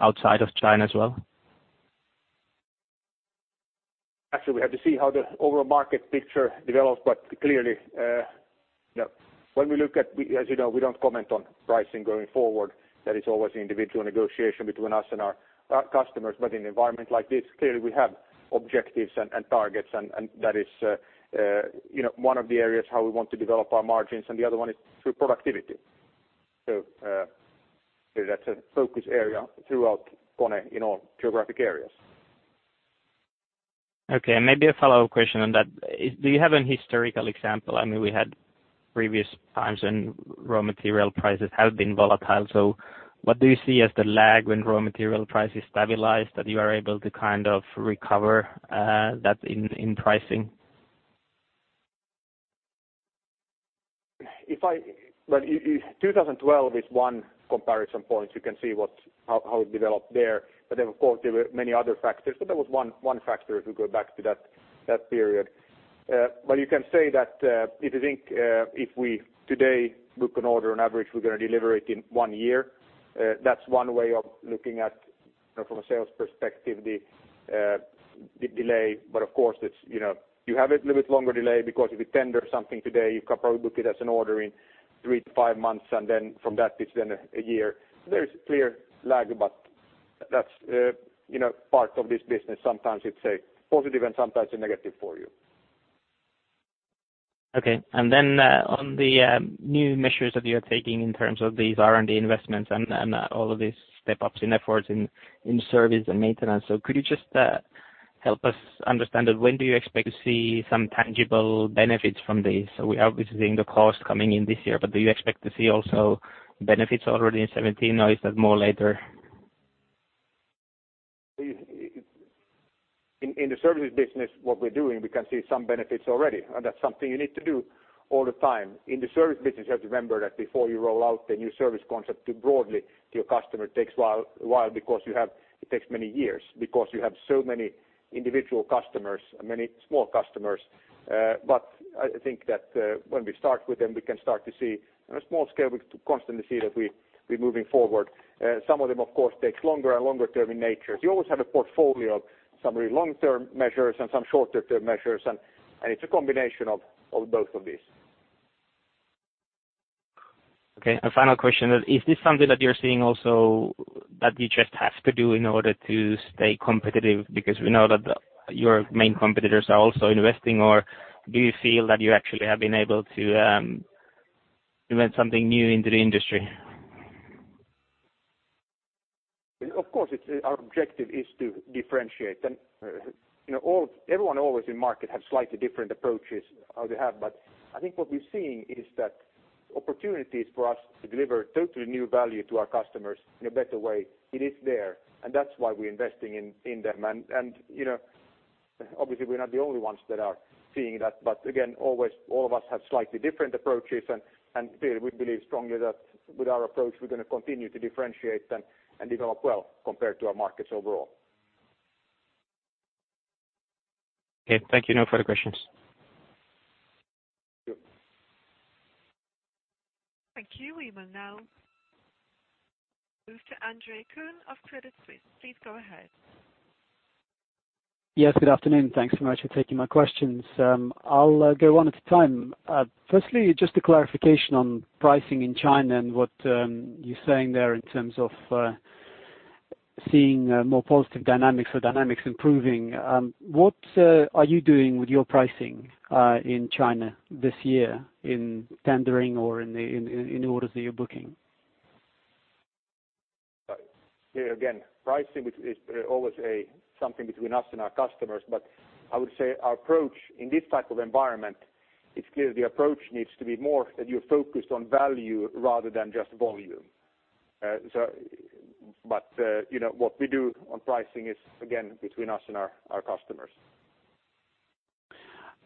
outside of China as well? Actually, we have to see how the overall market picture develops, clearly, as you know, we don't comment on pricing going forward. That is always individual negotiation between us and our customers. In an environment like this, clearly we have objectives and targets, and that is one of the areas how we want to develop our margins, and the other one is through productivity. That's a focus area throughout KONE in all geographic areas. Okay. Maybe a follow-up question on that. Do you have an historical example? I mean, we had previous times when raw material prices have been volatile. What do you see as the lag when raw material prices stabilize that you are able to kind of recover that in pricing? 2012 is one comparison point. You can see how it developed there. Of course, there were many other factors. There was one factor if we go back to that period. You can say that if you think if we today book an order on average, we're going to deliver it in one year. That's one way of looking at from a sales perspective, the delay. Of course, you have a little bit longer delay because if you tender something today you can probably book it as an order in three to five months, and then from that it's then a year. There's a clear lag, but that's part of this business. Sometimes it's a positive and sometimes a negative for you. Okay. On the new measures that you're taking in terms of these R&D investments and all of these step-ups in efforts in service and maintenance. Could you just help us understand when do you expect to see some tangible benefits from these? We obviously are seeing the cost coming in this year, but do you expect to see also benefits already in 2017, or is that more later? In the services business, what we're doing, we can see some benefits already, and that's something you need to do all the time. In the service business, you have to remember that before you roll out the new service concept too broadly to your customer, it takes many years because you have so many individual customers and many small customers. I think that when we start with them, we can start to see on a small scale, we constantly see that we're moving forward. Some of them, of course, takes longer and longer term in nature. You always have a portfolio of some really long-term measures and some shorter-term measures, and it's a combination of both of these. Okay. Final question. Is this something that you're seeing also that you just have to do in order to stay competitive? We know that your main competitors are also investing, or do you feel that you actually have been able to invent something new into the industry? Of course, our objective is to differentiate. Everyone always in market have slightly different approaches, as you have. I think what we're seeing is that opportunities for us to deliver totally new value to our customers in a better way, it is there, and that's why we're investing in them. Obviously we're not the only ones that are seeing that. Again, all of us have slightly different approaches, and clearly we believe strongly that with our approach, we're going to continue to differentiate and develop well compared to our markets overall. Okay. Thank you. No further questions. Thank you. Thank you. We will now move to Andre Kukhnin of Credit Suisse. Please go ahead. Yes, good afternoon. Thanks so much for taking my questions. I'll go one at a time. Firstly, just a clarification on pricing in China and what you're saying there in terms of seeing more positive dynamics or dynamics improving. What are you doing with your pricing in China this year in tendering or in the orders that you're booking? Here again, pricing is always something between us and our customers. I would say our approach in this type of environment, it's clear the approach needs to be more that you're focused on value rather than just volume. What we do on pricing is, again, between us and our customers.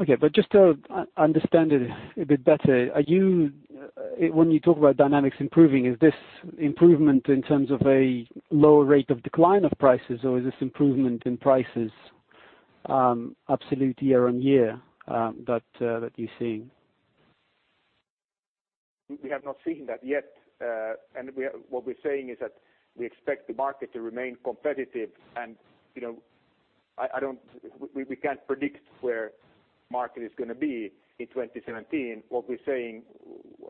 Okay. Just to understand it a bit better, when you talk about dynamics improving, is this improvement in terms of a lower rate of decline of prices, or is this improvement in prices absolute year-on-year that you're seeing? We have not seen that yet. What we're saying is that we expect the market to remain competitive and we can't predict where market is going to be in 2017.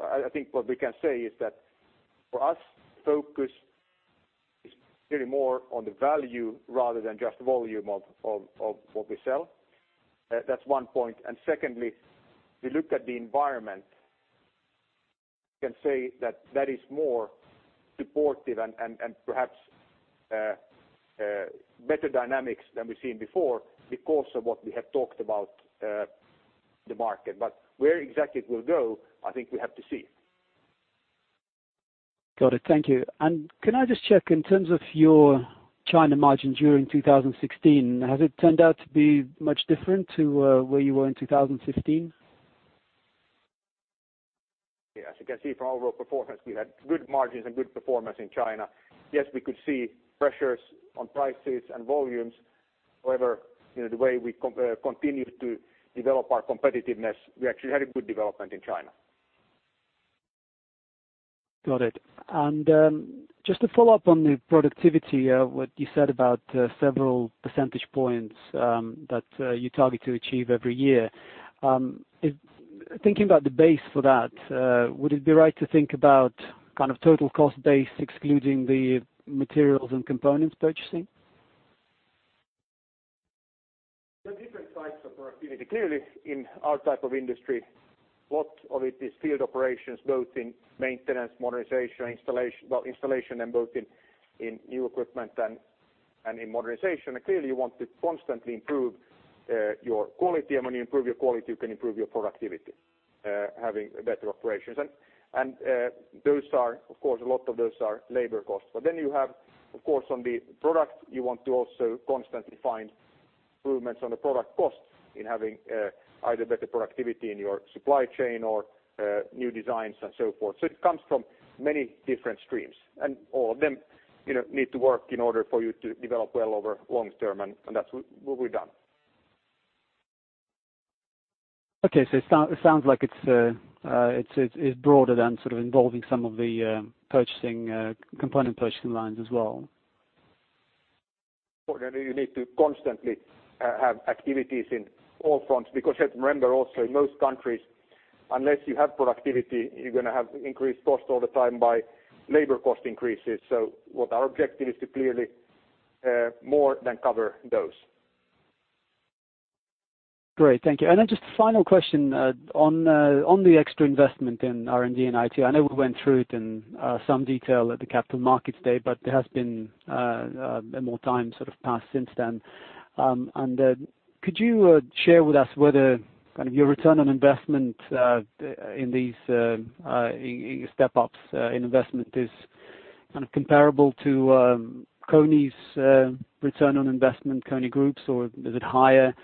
I think what we can say is that for us, focus is really more on the value rather than just volume of what we sell. That's one point. Secondly, we look at the environment, we can say that that is more supportive and perhaps better dynamics than we've seen before because of what we have talked about the market. Where exactly it will go, I think we have to see. Got it. Thank you. Can I just check, in terms of your China margin during 2016, has it turned out to be much different to where you were in 2015? As you can see from our overall performance, we had good margins and good performance in China. Yes, we could see pressures on prices and volumes. The way we continue to develop our competitiveness, we actually had a good development in China. Got it. Just to follow up on the productivity, what you said about several percentage points that you target to achieve every year. Thinking about the base for that, would it be right to think about total cost base excluding the materials and components purchasing? There are different types of productivity. Clearly, in our type of industry, lot of it is field operations, both in maintenance, modernization, installation, and both in new equipment and in modernization. Clearly you want to constantly improve your quality. When you improve your quality, you can improve your productivity, having better operations. Of course, a lot of those are labor costs. You have, of course, on the product, you want to also constantly find improvements on the product cost in having either better productivity in your supply chain or new designs and so forth. It comes from many different streams, and all of them need to work in order for you to develop well over long term and that's what we've done. Okay. It sounds like it's broader than sort of involving some of the component purchasing lines as well. You need to constantly have activities in all fronts because you have to remember also in most countries, unless you have productivity, you're going to have increased cost all the time by labor cost increases. What our objective is to clearly more than cover those. Great, thank you. Then just a final question on the extra investment in R&D and IT. I know we went through it in some detail at the Capital Markets Day, but there has been a more time sort of passed since then. Could you share with us whether your return on investment in these step-ups in investment is kind of comparable to KONE's return on investment, KONE Group's, or is it higher?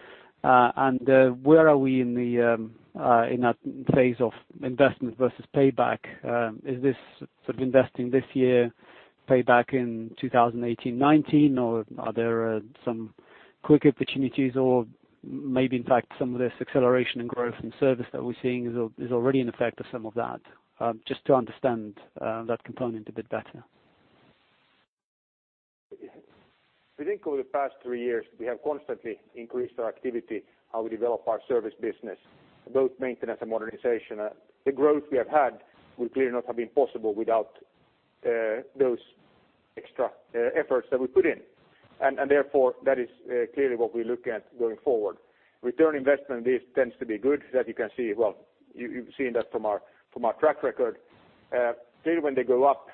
Where are we in that phase of investment versus payback? Is this sort of investing this year, payback in 2018, 2019, or are there some quick opportunities or maybe in fact, some of this acceleration in growth and service that we're seeing is already an effect of some of that? Just to understand that component a bit better. I think over the past three years, we have constantly increased our activity, how we develop our service business, both maintenance and modernization. The growth we have had would clearly not have been possible without those extra efforts that we put in. Therefore, that is clearly what we look at going forward. Return on investment, this tends to be good. Well, you've seen that from our track record. Clearly, when they go up,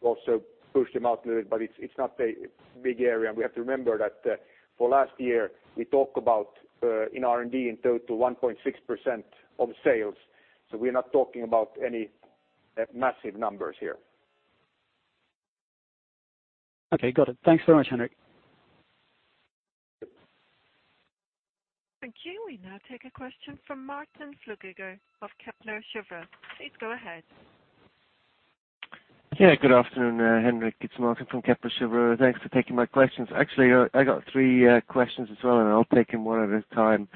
we also push them out a little bit, but it's not a big area. We have to remember that for last year, we talk about in R&D in total 1.6% of sales. We are not talking about any massive numbers here. Okay, got it. Thanks very much, Henrik. Thank you. We now take a question from Martin Flückiger of Kepler Cheuvreux. Please go ahead. Yeah, good afternoon, Henrik. It's Martin from Kepler Cheuvreux. Thanks for taking my questions. Actually, I got three questions as well, and I'll take them one at a time.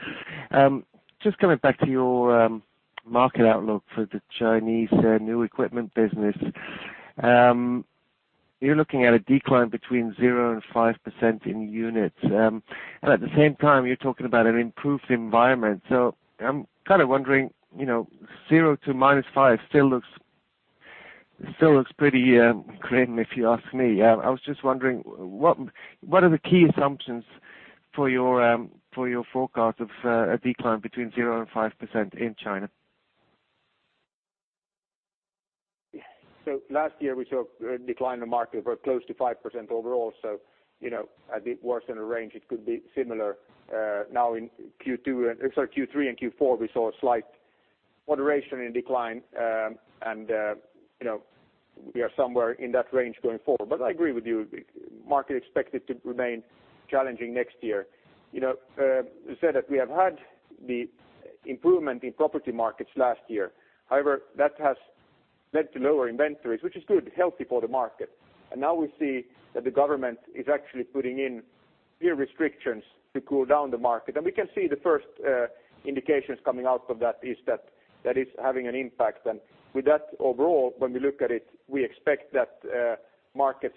Just coming back to your market outlook for the Chinese new equipment business. You're looking at a decline between 0% and 5% in units. At the same time, you're talking about an improved environment. I'm kind of wondering, 0% to -5% still looks pretty grim if you ask me. I was just wondering, what are the key assumptions for your forecast of a decline between 0% and 5% in China? Last year we saw a decline in the market of close to 5% overall. A bit worse than a range, it could be similar. Now in Q3 and Q4, we saw a slight moderation in decline, and we are somewhere in that range going forward. I agree with you, market expected to remain challenging next year. You said that we have had the improvement in property markets last year. However, that has led to lower inventories, which is good, healthy for the market. Now we see that the government is actually putting in clear restrictions to cool down the market. We can see the first indications coming out from that is that is having an impact. With that overall, when we look at it, we expect that markets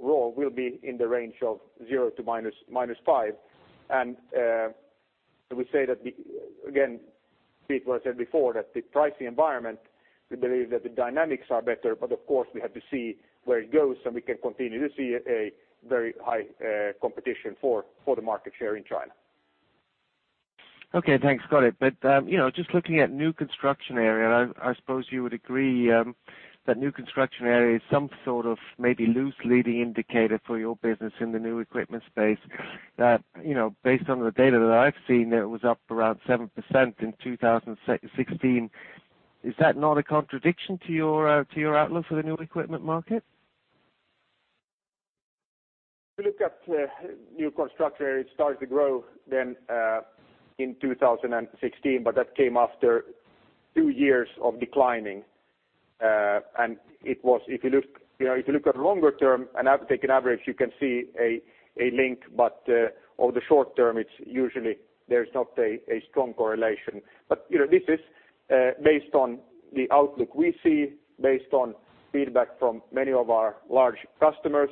growth will be in the range of 0% to -5%. We say that, again, people have said before that the pricing environment, we believe that the dynamics are better. Of course, we have to see where it goes. We can continue to see a very high competition for the market share in China. Okay, thanks. Got it. Just looking at new construction area, I suppose you would agree that new construction area is some sort of maybe loose leading indicator for your business in the new equipment space that, based on the data that I've seen, it was up around 7% in 2016. Is that not a contradiction to your outlook for the new equipment market? If you look at new construction area, it started to grow then in 2016, that came after two years of declining. If you look at longer term and take an average, you can see a link. Over the short term, it's usually there's not a strong correlation. This is based on the outlook we see, based on feedback from many of our large customers,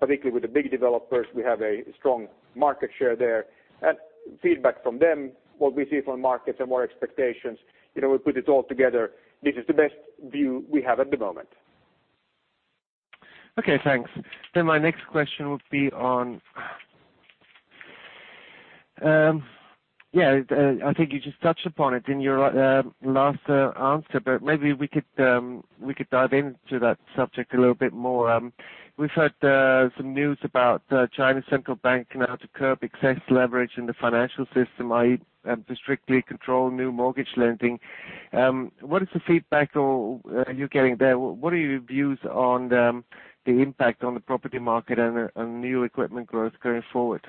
particularly with the big developers, we have a strong market share there. Feedback from them, what we see from markets and our expectations, we put it all together. This is the best view we have at the moment. Okay, thanks. My next question would be. I think you just touched upon it in your last answer, maybe we could dive into that subject a little bit more. We've heard some news about China's Central Bank coming out to curb excess leverage in the financial system, i.e., to strictly control new mortgage lending. What is the feedback you're getting there? What are your views on the impact on the property market and new equipment growth going forward,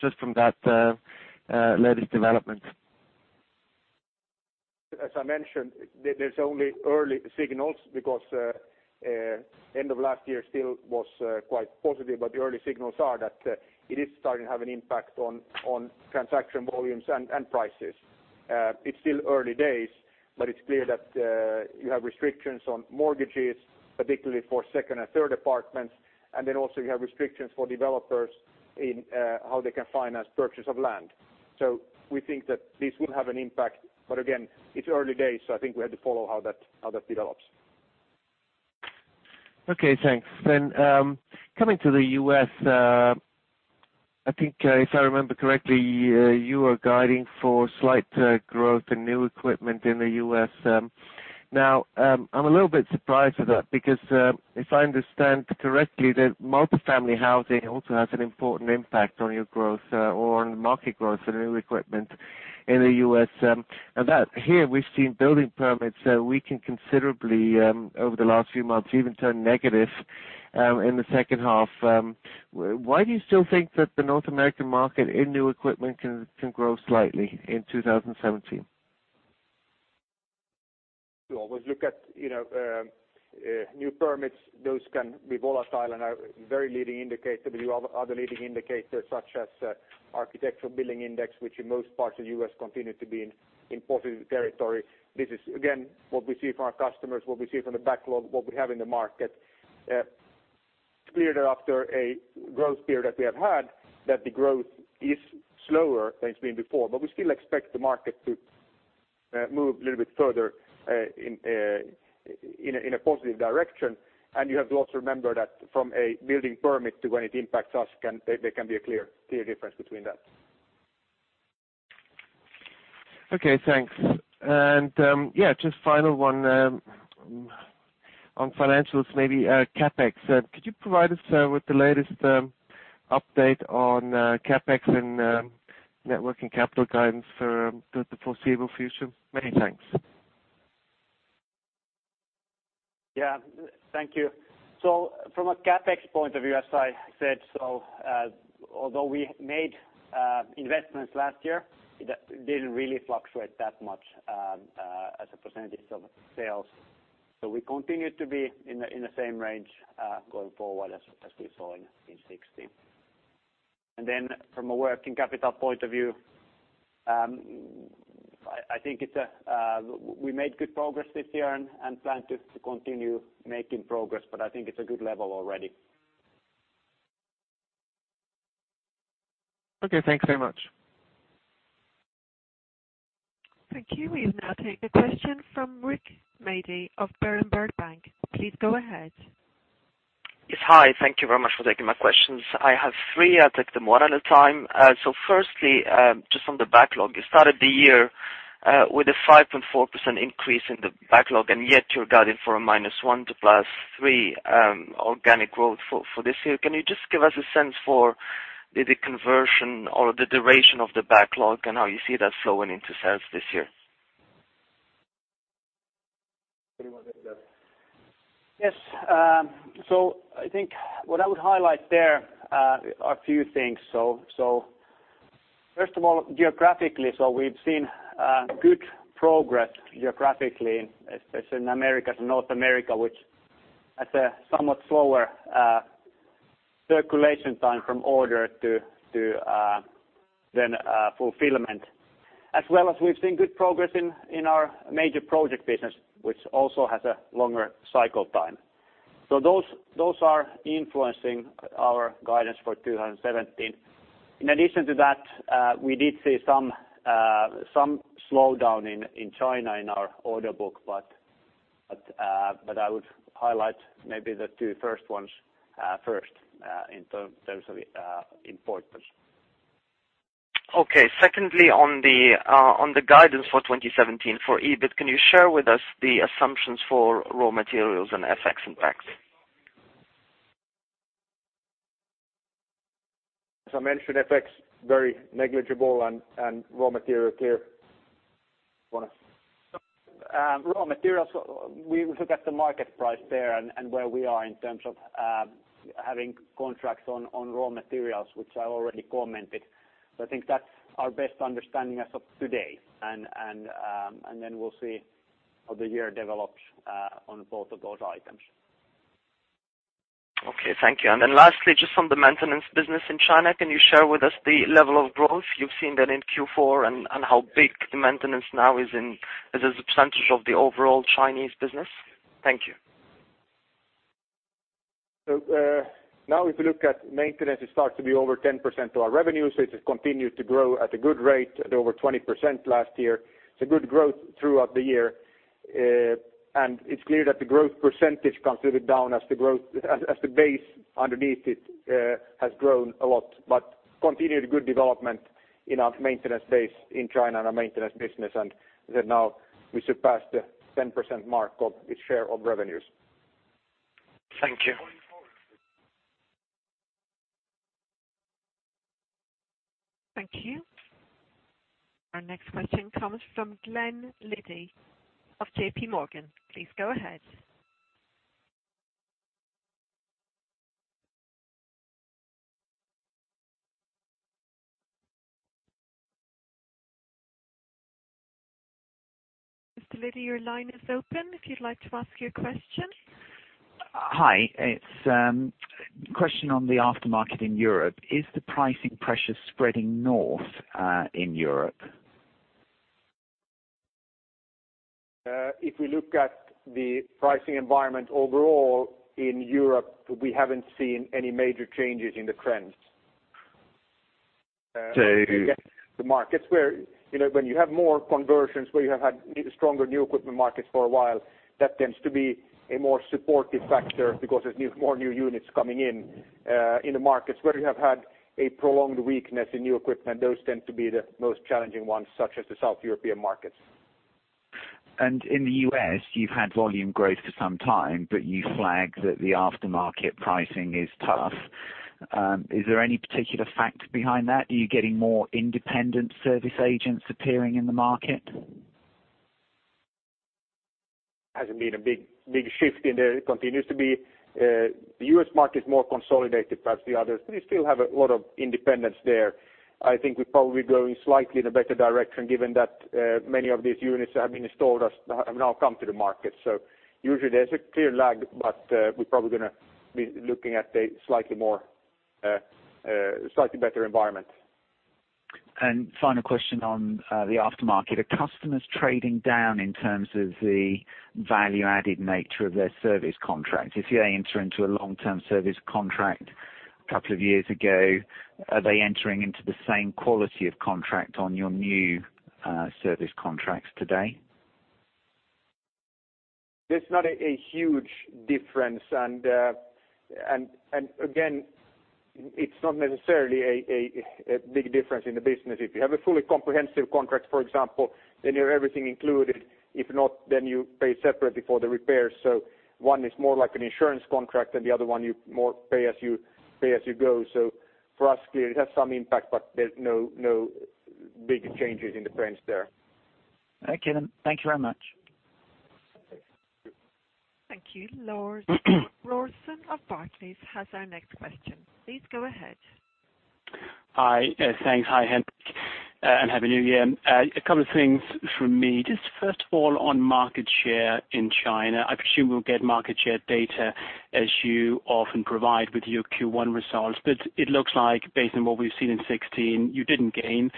just from that latest development? The early signals are that it is starting to have an impact on transaction volumes and prices. It's still early days. It's clear that you have restrictions on mortgages, particularly for second and third apartments. Also, you have restrictions for developers in how they can finance purchase of land. We think that this will have an impact. Again, it's early days, so I think we have to follow how that develops. Okay, thanks. Coming to the U.S., I think if I remember correctly, you are guiding for slight growth in new equipment in the U.S. I'm a little bit surprised with that because if I understand correctly, the multifamily housing also has an important impact on your growth or on the market growth in new equipment in the U.S. Here, we've seen building permits weaken considerably over the last few months, even turn negative in the second half. Why do you still think that the North American market in new equipment can grow slightly in 2017? We always look at new permits. Those can be volatile and are very leading indicators. There are other leading indicators such as Architecture Billings Index, which in most parts of the U.S. continue to be in positive territory. This is again what we see from our customers, what we see from the backlog, what we have in the market. It's clear that after a growth period that we have had, that the growth is slower than it's been before. We still expect the market to move a little bit further in a positive direction. You have to also remember that from a building permit to when it impacts us, there can be a clear difference between that. Okay, thanks. Just final one on financials, maybe CapEx. Could you provide us with the latest update on CapEx and net working capital guidance for the foreseeable future? Many thanks. Thank you. From a CapEx point of view, as I said, although we made investments last year, that didn't really fluctuate that much as a percentage of sales. We continue to be in the same range going forward as we saw in 2016. From a working capital point of view, I think we made good progress this year and plan to continue making progress, but I think it's a good level already. Thanks very much. Thank you. We'll now take a question from Rick Meidey of Berenberg Bank. Please go ahead. Hi. Thank you very much for taking my questions. I have three. I'll take them one at a time. Firstly, just on the backlog. You started the year with a 5.4% increase in the backlog, and yet you're guiding for a -1% to +3% organic growth for this year. Can you just give us a sense for the conversion or the duration of the backlog and how you see that flowing into sales this year? Anyone take that? Yes. I think what I would highlight there are a few things. First of all, geographically, we've seen good progress geographically, especially in North America, which has a somewhat slower circulation time from order to then fulfillment. As well as we've seen good progress in our major project business, which also has a longer cycle time. Those are influencing our guidance for 2017. In addition to that, we did see some slowdown in China in our order book, I would highlight maybe the two first ones first in terms of importance. Okay. Secondly, on the guidance for 2017 for EBIT, can you share with us the assumptions for raw materials and FX impacts? As I mentioned, FX, very negligible and raw material, clear. Jonas. Raw materials, we look at the market price there and where we are in terms of having contracts on raw materials, which I already commented. I think that's our best understanding as of today, and then we'll see how the year develops on both of those items. Okay, thank you. Lastly, just on the maintenance business in China, can you share with us the level of growth you've seen then in Q4, and how big the maintenance now is as a % of the overall Chinese business? Thank you. Now if you look at maintenance, it starts to be over 10% of our revenue. It has continued to grow at a good rate at over 20% last year. It's a good growth throughout the year. It's clear that the growth % comes a little down as the base underneath it has grown a lot. Continued good development in our maintenance base in China and our maintenance business, and that now we surpassed the 10% mark of its share of revenues. Thank you. Thank you. Our next question comes from Glen Liddy of JP Morgan. Please go ahead. Mr. Liddy, your line is open if you'd like to ask your question. Hi, it's question on the aftermarket in Europe. Is the pricing pressure spreading north in Europe? If we look at the pricing environment overall in Europe, we haven't seen any major changes in the trends. So you- The markets where when you have more conversions, where you have had stronger new equipment markets for a while, that tends to be a more supportive factor because there's more new units coming in. In the markets where you have had a prolonged weakness in new equipment, those tend to be the most challenging ones, such as the South European markets. In the U.S., you've had volume growth for some time, but you flagged that the aftermarket pricing is tough. Is there any particular factor behind that? Are you getting more independent service agents appearing in the market? Hasn't been a big shift in there. It continues to be the U.S. market is more consolidated perhaps the others, but you still have a lot of independence there. I think we're probably going slightly in a better direction given that many of these units that have been installed have now come to the market. Usually there's a clear lag, but we're probably going to be looking at a slightly better environment. Final question on the aftermarket. Are customers trading down in terms of the value-added nature of their service contracts? If they enter into a long-term service contract a couple of years ago, are they entering into the same quality of contract on your new service contracts today? There's not a huge difference. Again, it's not necessarily a big difference in the business. If you have a fully comprehensive contract, for example, then you have everything included. If not, then you pay separately for the repairs. One is more like an insurance contract and the other one you more pay as you go. For us, clearly, it has some impact, but there's no big changes in the trends there. Okay. Thank you very much. Thank you. Lars Brorson of Barclays has our next question. Please go ahead. Hi. Thanks. Hi, Henrik, Happy New Year. A couple of things from me. Just first of all, on market share in China. I presume we'll get market share data as you often provide with your Q1 results. It looks like based on what we've seen in 2016, you didn't gain.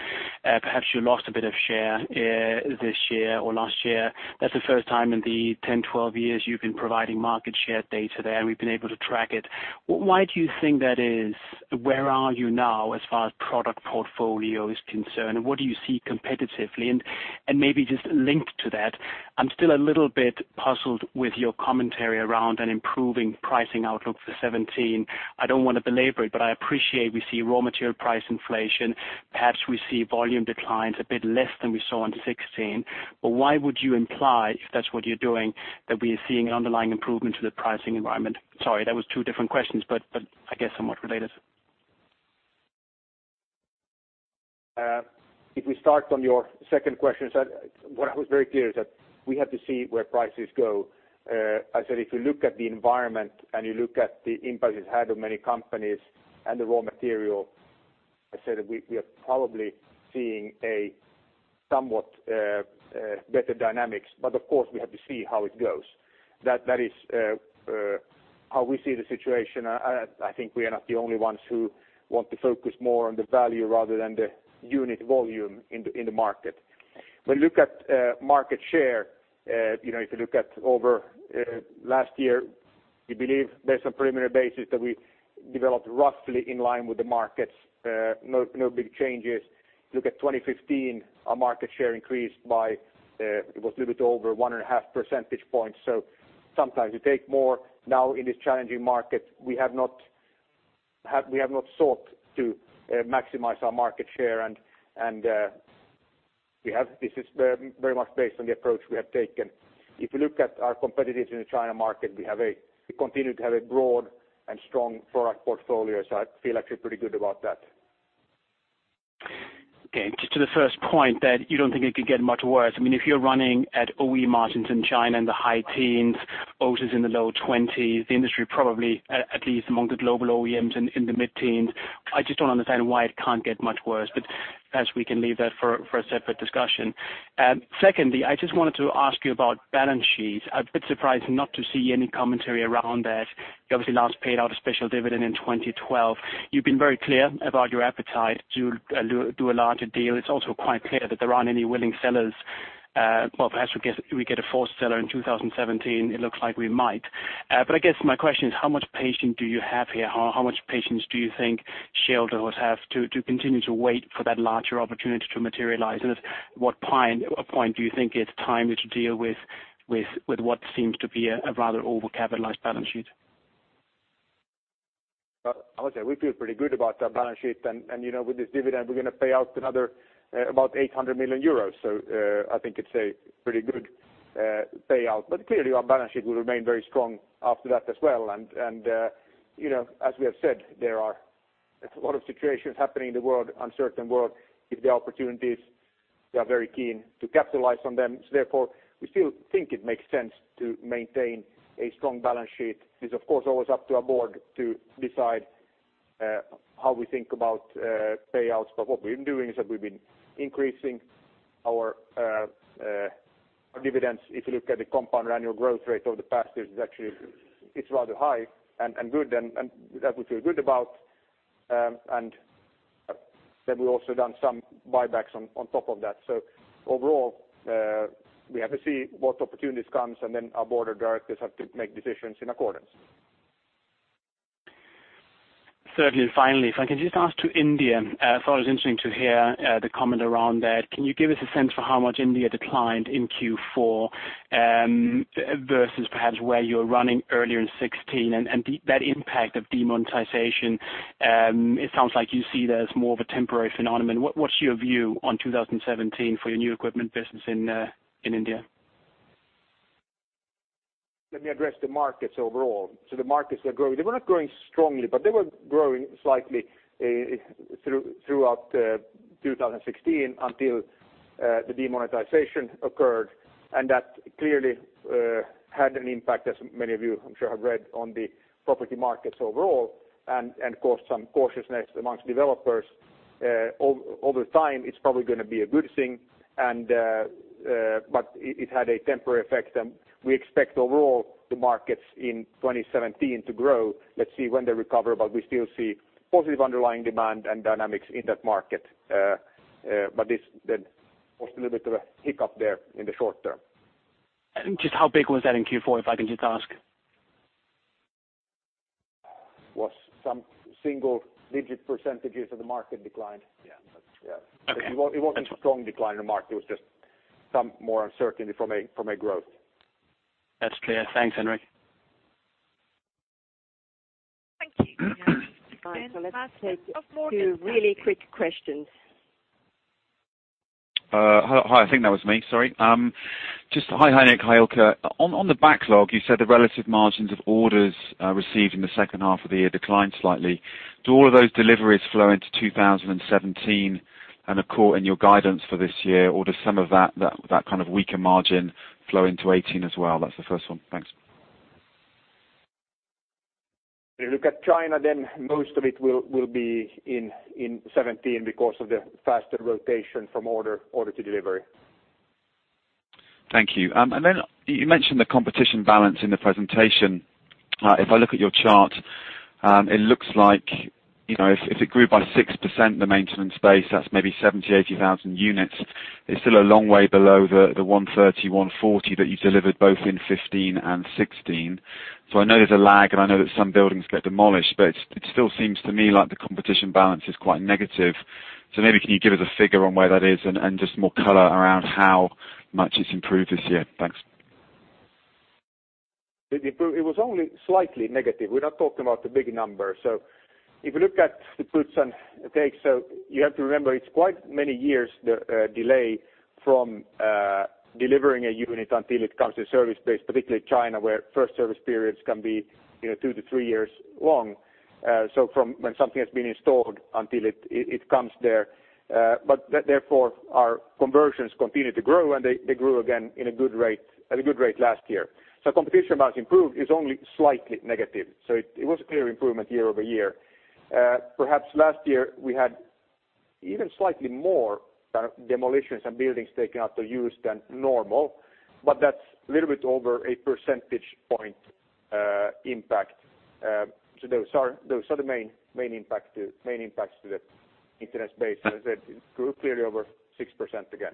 Perhaps you lost a bit of share this year or last year. That's the first time in the 10, 12 years you've been providing market share data there, and we've been able to track it. Why do you think that is? Where are you now as far as product portfolio is concerned? What do you see competitively? Maybe just linked to that I'm still a little bit puzzled with your commentary around an improving pricing outlook for 2017. I don't want to belabor it, but I appreciate we see raw material price inflation. Perhaps we see volume declines a bit less than we saw in 2016. Why would you imply, if that's what you're doing, that we are seeing an underlying improvement to the pricing environment? Sorry, that was two different questions, but I guess somewhat related. We start on your second question, what I was very clear is that we have to see where prices go. I said if you look at the environment and you look at the impact it's had on many companies and the raw material, I said we are probably seeing a somewhat better dynamics. Of course, we have to see how it goes. That is how we see the situation. I think we are not the only ones who want to focus more on the value rather than the unit volume in the market. When you look at market share, if you look at over last year, we believe there's some preliminary basis that we developed roughly in line with the markets. No big changes. Look at 2015, our market share increased by, it was a little bit over one and a half percentage points. Sometimes you take more. Now in this challenging market, we have not sought to maximize our market share, and this is very much based on the approach we have taken. If you look at our competitors in the China market, we continue to have a broad and strong product portfolio. I feel actually pretty good about that. Okay. Just to the first point, that you don't think it could get much worse. If you're running at OE margins in China in the high teens, Otis in the low 20s, the industry probably at least among the global OEMs in the mid-teens. I just don't understand why it can't get much worse, perhaps we can leave that for a separate discussion. Secondly, I just wanted to ask you about balance sheets. I was a bit surprised not to see any commentary around that. You obviously last paid out a special dividend in 2012. You've been very clear about your appetite to do a larger deal. It's also quite clear that there aren't any willing sellers. Perhaps we get a fourth seller in 2017. It looks like we might. I guess my question is, how much patience do you have here? How much patience do you think shareholders have to continue to wait for that larger opportunity to materialize? At what point do you think it's time to deal with what seems to be a rather overcapitalized balance sheet? Well, I would say we feel pretty good about our balance sheet. With this dividend, we're going to pay out another about 800 million euros. I think it's a pretty good payout. Clearly, our balance sheet will remain very strong after that as well. As we have said, there's a lot of situations happening in the world, uncertain world. If there are opportunities, we are very keen to capitalize on them. Therefore, we still think it makes sense to maintain a strong balance sheet. It's of course, always up to our board to decide how we think about payouts. What we've been doing is that we've been increasing our dividends. If you look at the compound annual growth rate over the past years, it's rather high and good, and that we feel good about. Then we've also done some buybacks on top of that. Overall, we have to see what opportunities comes, our board of directors have to make decisions in accordance. Certainly. Finally, if I can just ask to India. I thought it was interesting to hear the comment around that. Can you give us a sense for how much India declined in Q4 versus perhaps where you're running earlier in 2016 and that impact of demonetization? It sounds like you see that as more of a temporary phenomenon. What's your view on 2017 for your new equipment business in India? Let me address the markets overall. The markets were growing. They were not growing strongly, but they were growing slightly throughout 2016 until the demonetization occurred. That clearly had an impact, as many of you I'm sure have read, on the property markets overall and caused some cautiousness amongst developers. Over time, it's probably going to be a good thing, but it had a temporary effect, and we expect overall the markets in 2017 to grow. Let's see when they recover, but we still see positive underlying demand and dynamics in that market. That was a little bit of a hiccup there in the short term. Just how big was that in Q4, if I can just ask? Was some single-digit percentages of the market declined. Yeah. Okay. It wasn't a strong decline in the market. It was just some more uncertainty from a growth. That's clear. Thanks, Henrik. Thank you. All right. Let's take two really quick questions. Hi. I think that was me. Sorry. Just hi, Henrik, Hi, Ilkka. On the backlog, you said the relative margins of orders received in the second half of the year declined slightly. Do all of those deliveries flow into 2017 and are caught in your guidance for this year, or does some of that kind of weaker margin flow into 2018 as well? That's the first one. Thanks. Most of it will be in 2017 because of the faster rotation from order to delivery. Thank you. You mentioned the competition balance in the presentation. If I look at your chart, it looks like if it grew by 6%, the maintenance space, that's maybe 70,000, 80,000 units. It's still a long way below the 130,000, 140,000 that you delivered both in 2015 and 2016. I know there's a lag and I know that some buildings get demolished, it still seems to me like the competition balance is quite negative. Maybe can you give us a figure on where that is and just more color around how much it's improved this year? Thanks. It was only slightly negative. We're not talking about a big number. If you look at the puts and takes, you have to remember, it's quite many years, the delay from delivering a unit until it comes to the service base, particularly China, where first service periods can be two to three years long. From when something has been installed until it comes there. Therefore, our conversions continued to grow, and they grew again at a good rate last year. Net competition improved is only slightly negative. It was a clear improvement year-over-year. Perhaps last year we had even slightly more demolitions and buildings taken out of use than normal. That's a little bit over a percentage point impact. Those are the main impacts to the maintenance base that grew clearly over 6% again.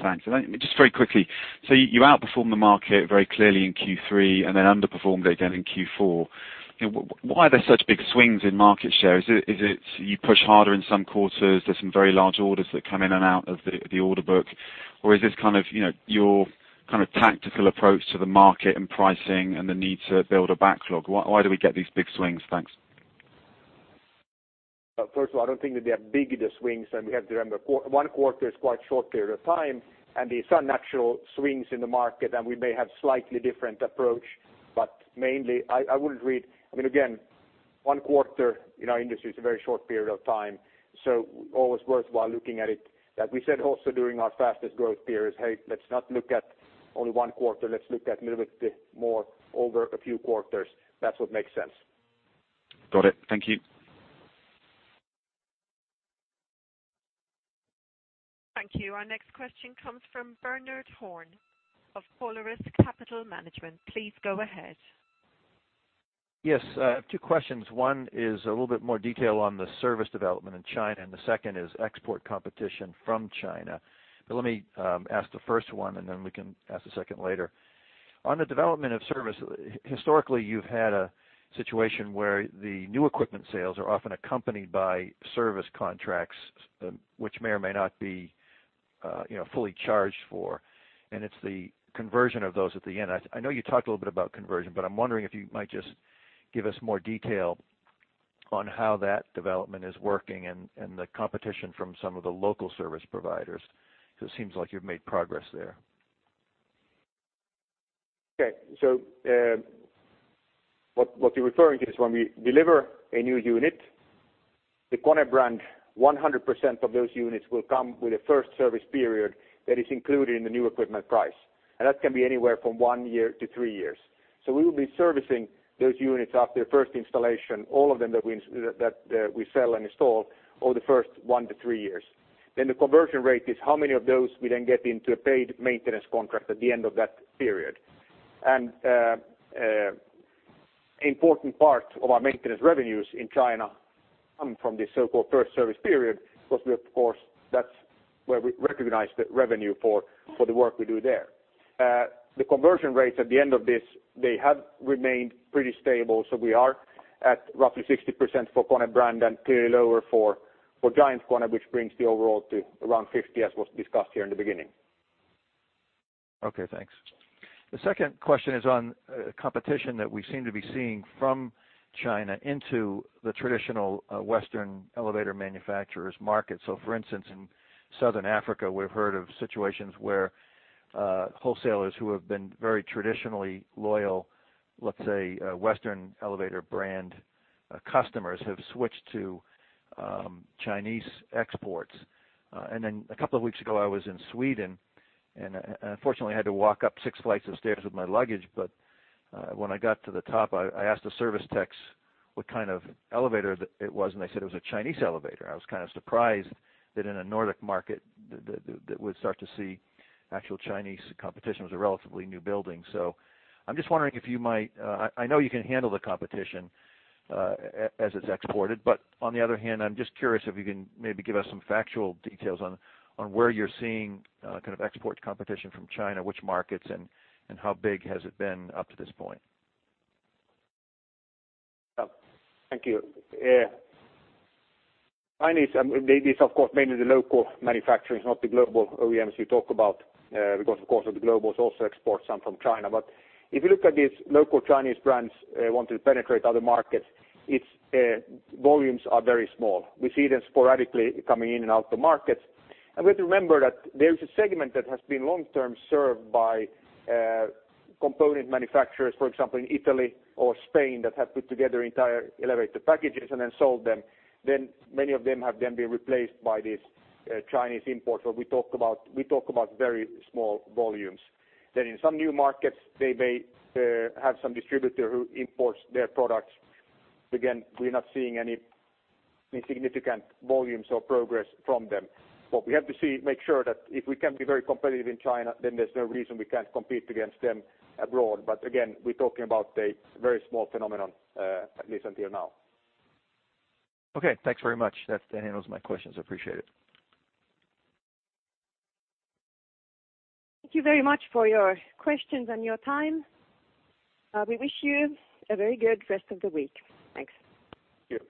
Thanks. Just very quickly, you outperformed the market very clearly in Q3 and underperformed again in Q4. Why are there such big swings in market share? Is it you push harder in some quarters? There are some very large orders that come in and out of the order book? Or is this your kind of tactical approach to the market and pricing and the need to build a backlog? Why do we get these big swings? Thanks. First of all, I don't think that they are big, the swings, we have to remember, one quarter is quite a short period of time, there are some natural swings in the market, we may have a slightly different approach. Mainly, I wouldn't read Again, one quarter in our industry is a very short period of time, always worthwhile looking at it. As we said also during our fastest growth periods, hey, let's not look at only one quarter, let's look at a little bit more over a few quarters. That's what makes sense. Got it. Thank you. Thank you. Our next question comes from Bernard Horn of Polaris Capital Management. Please go ahead. Yes, I have two questions. One is a little bit more detail on the service development in China, and the second is export competition from China. Let me ask the first one, then we can ask the second later. On the development of service, historically, you've had a situation where the new equipment sales are often accompanied by service contracts, which may or may not be fully charged for, and it's the conversion of those at the end. I know you talked a little bit about conversion, I'm wondering if you might just give us more detail on how that development is working and the competition from some of the local service providers, because it seems like you've made progress there. Okay. What you're referring to is when we deliver a new unit, the KONE brand, 100% of those units will come with a first service period that is included in the new equipment price. That can be anywhere from one year to three years. We will be servicing those units after the first installation, all of them that we sell and install over the first one to three years. The conversion rate is how many of those we then get into a paid maintenance contract at the end of that period. Important part of our maintenance revenues in China come from this so-called first service period because, of course, that's where we recognize the revenue for the work we do there. The conversion rates at the end of this, they have remained pretty stable, we are at roughly 60% for KONE brand and clearly lower for GiantKONE, which brings the overall to around 50 as was discussed here in the beginning. Okay, thanks. The second question is on competition that we seem to be seeing from China into the traditional Western elevator manufacturer's market. For instance, in Southern Africa, we've heard of situations where wholesalers who have been very traditionally loyal, let's say, Western elevator brand customers have switched to Chinese exports. A couple of weeks ago, I was in Sweden, unfortunately, I had to walk up six flights of stairs with my luggage, when I got to the top, I asked the service techs what kind of elevator it was, and they said it was a Chinese elevator. I was kind of surprised that in a Nordic market that we'd start to see actual Chinese competition. It was a relatively new building. I'm just wondering. I know you can handle the competition as it's exported, but on the other hand, I'm just curious if you can maybe give us some factual details on where you're seeing export competition from China, which markets, and how big has it been up to this point? Thank you. Chinese, this, of course, mainly the local manufacturers, not the global OEMs you talk about. Of course, the globals also export some from China. If you look at these local Chinese brands want to penetrate other markets, its volumes are very small. We see them sporadically coming in and out of the markets. We have to remember that there is a segment that has been long-term served by component manufacturers, for example, in Italy or Spain, that have put together entire elevator packages and then sold them. Many of them have then been replaced by these Chinese imports where we talk about very small volumes. In some new markets, they may have some distributor who imports their products. Again, we're not seeing any significant volumes or progress from them. What we have to see, make sure that if we can be very competitive in China, then there's no reason we can't compete against them abroad. Again, we're talking about a very small phenomenon, at least until now. Okay. Thanks very much. That handles my questions. I appreciate it. Thank you very much for your questions and your time. We wish you a very good rest of the week. Thanks. Thank you.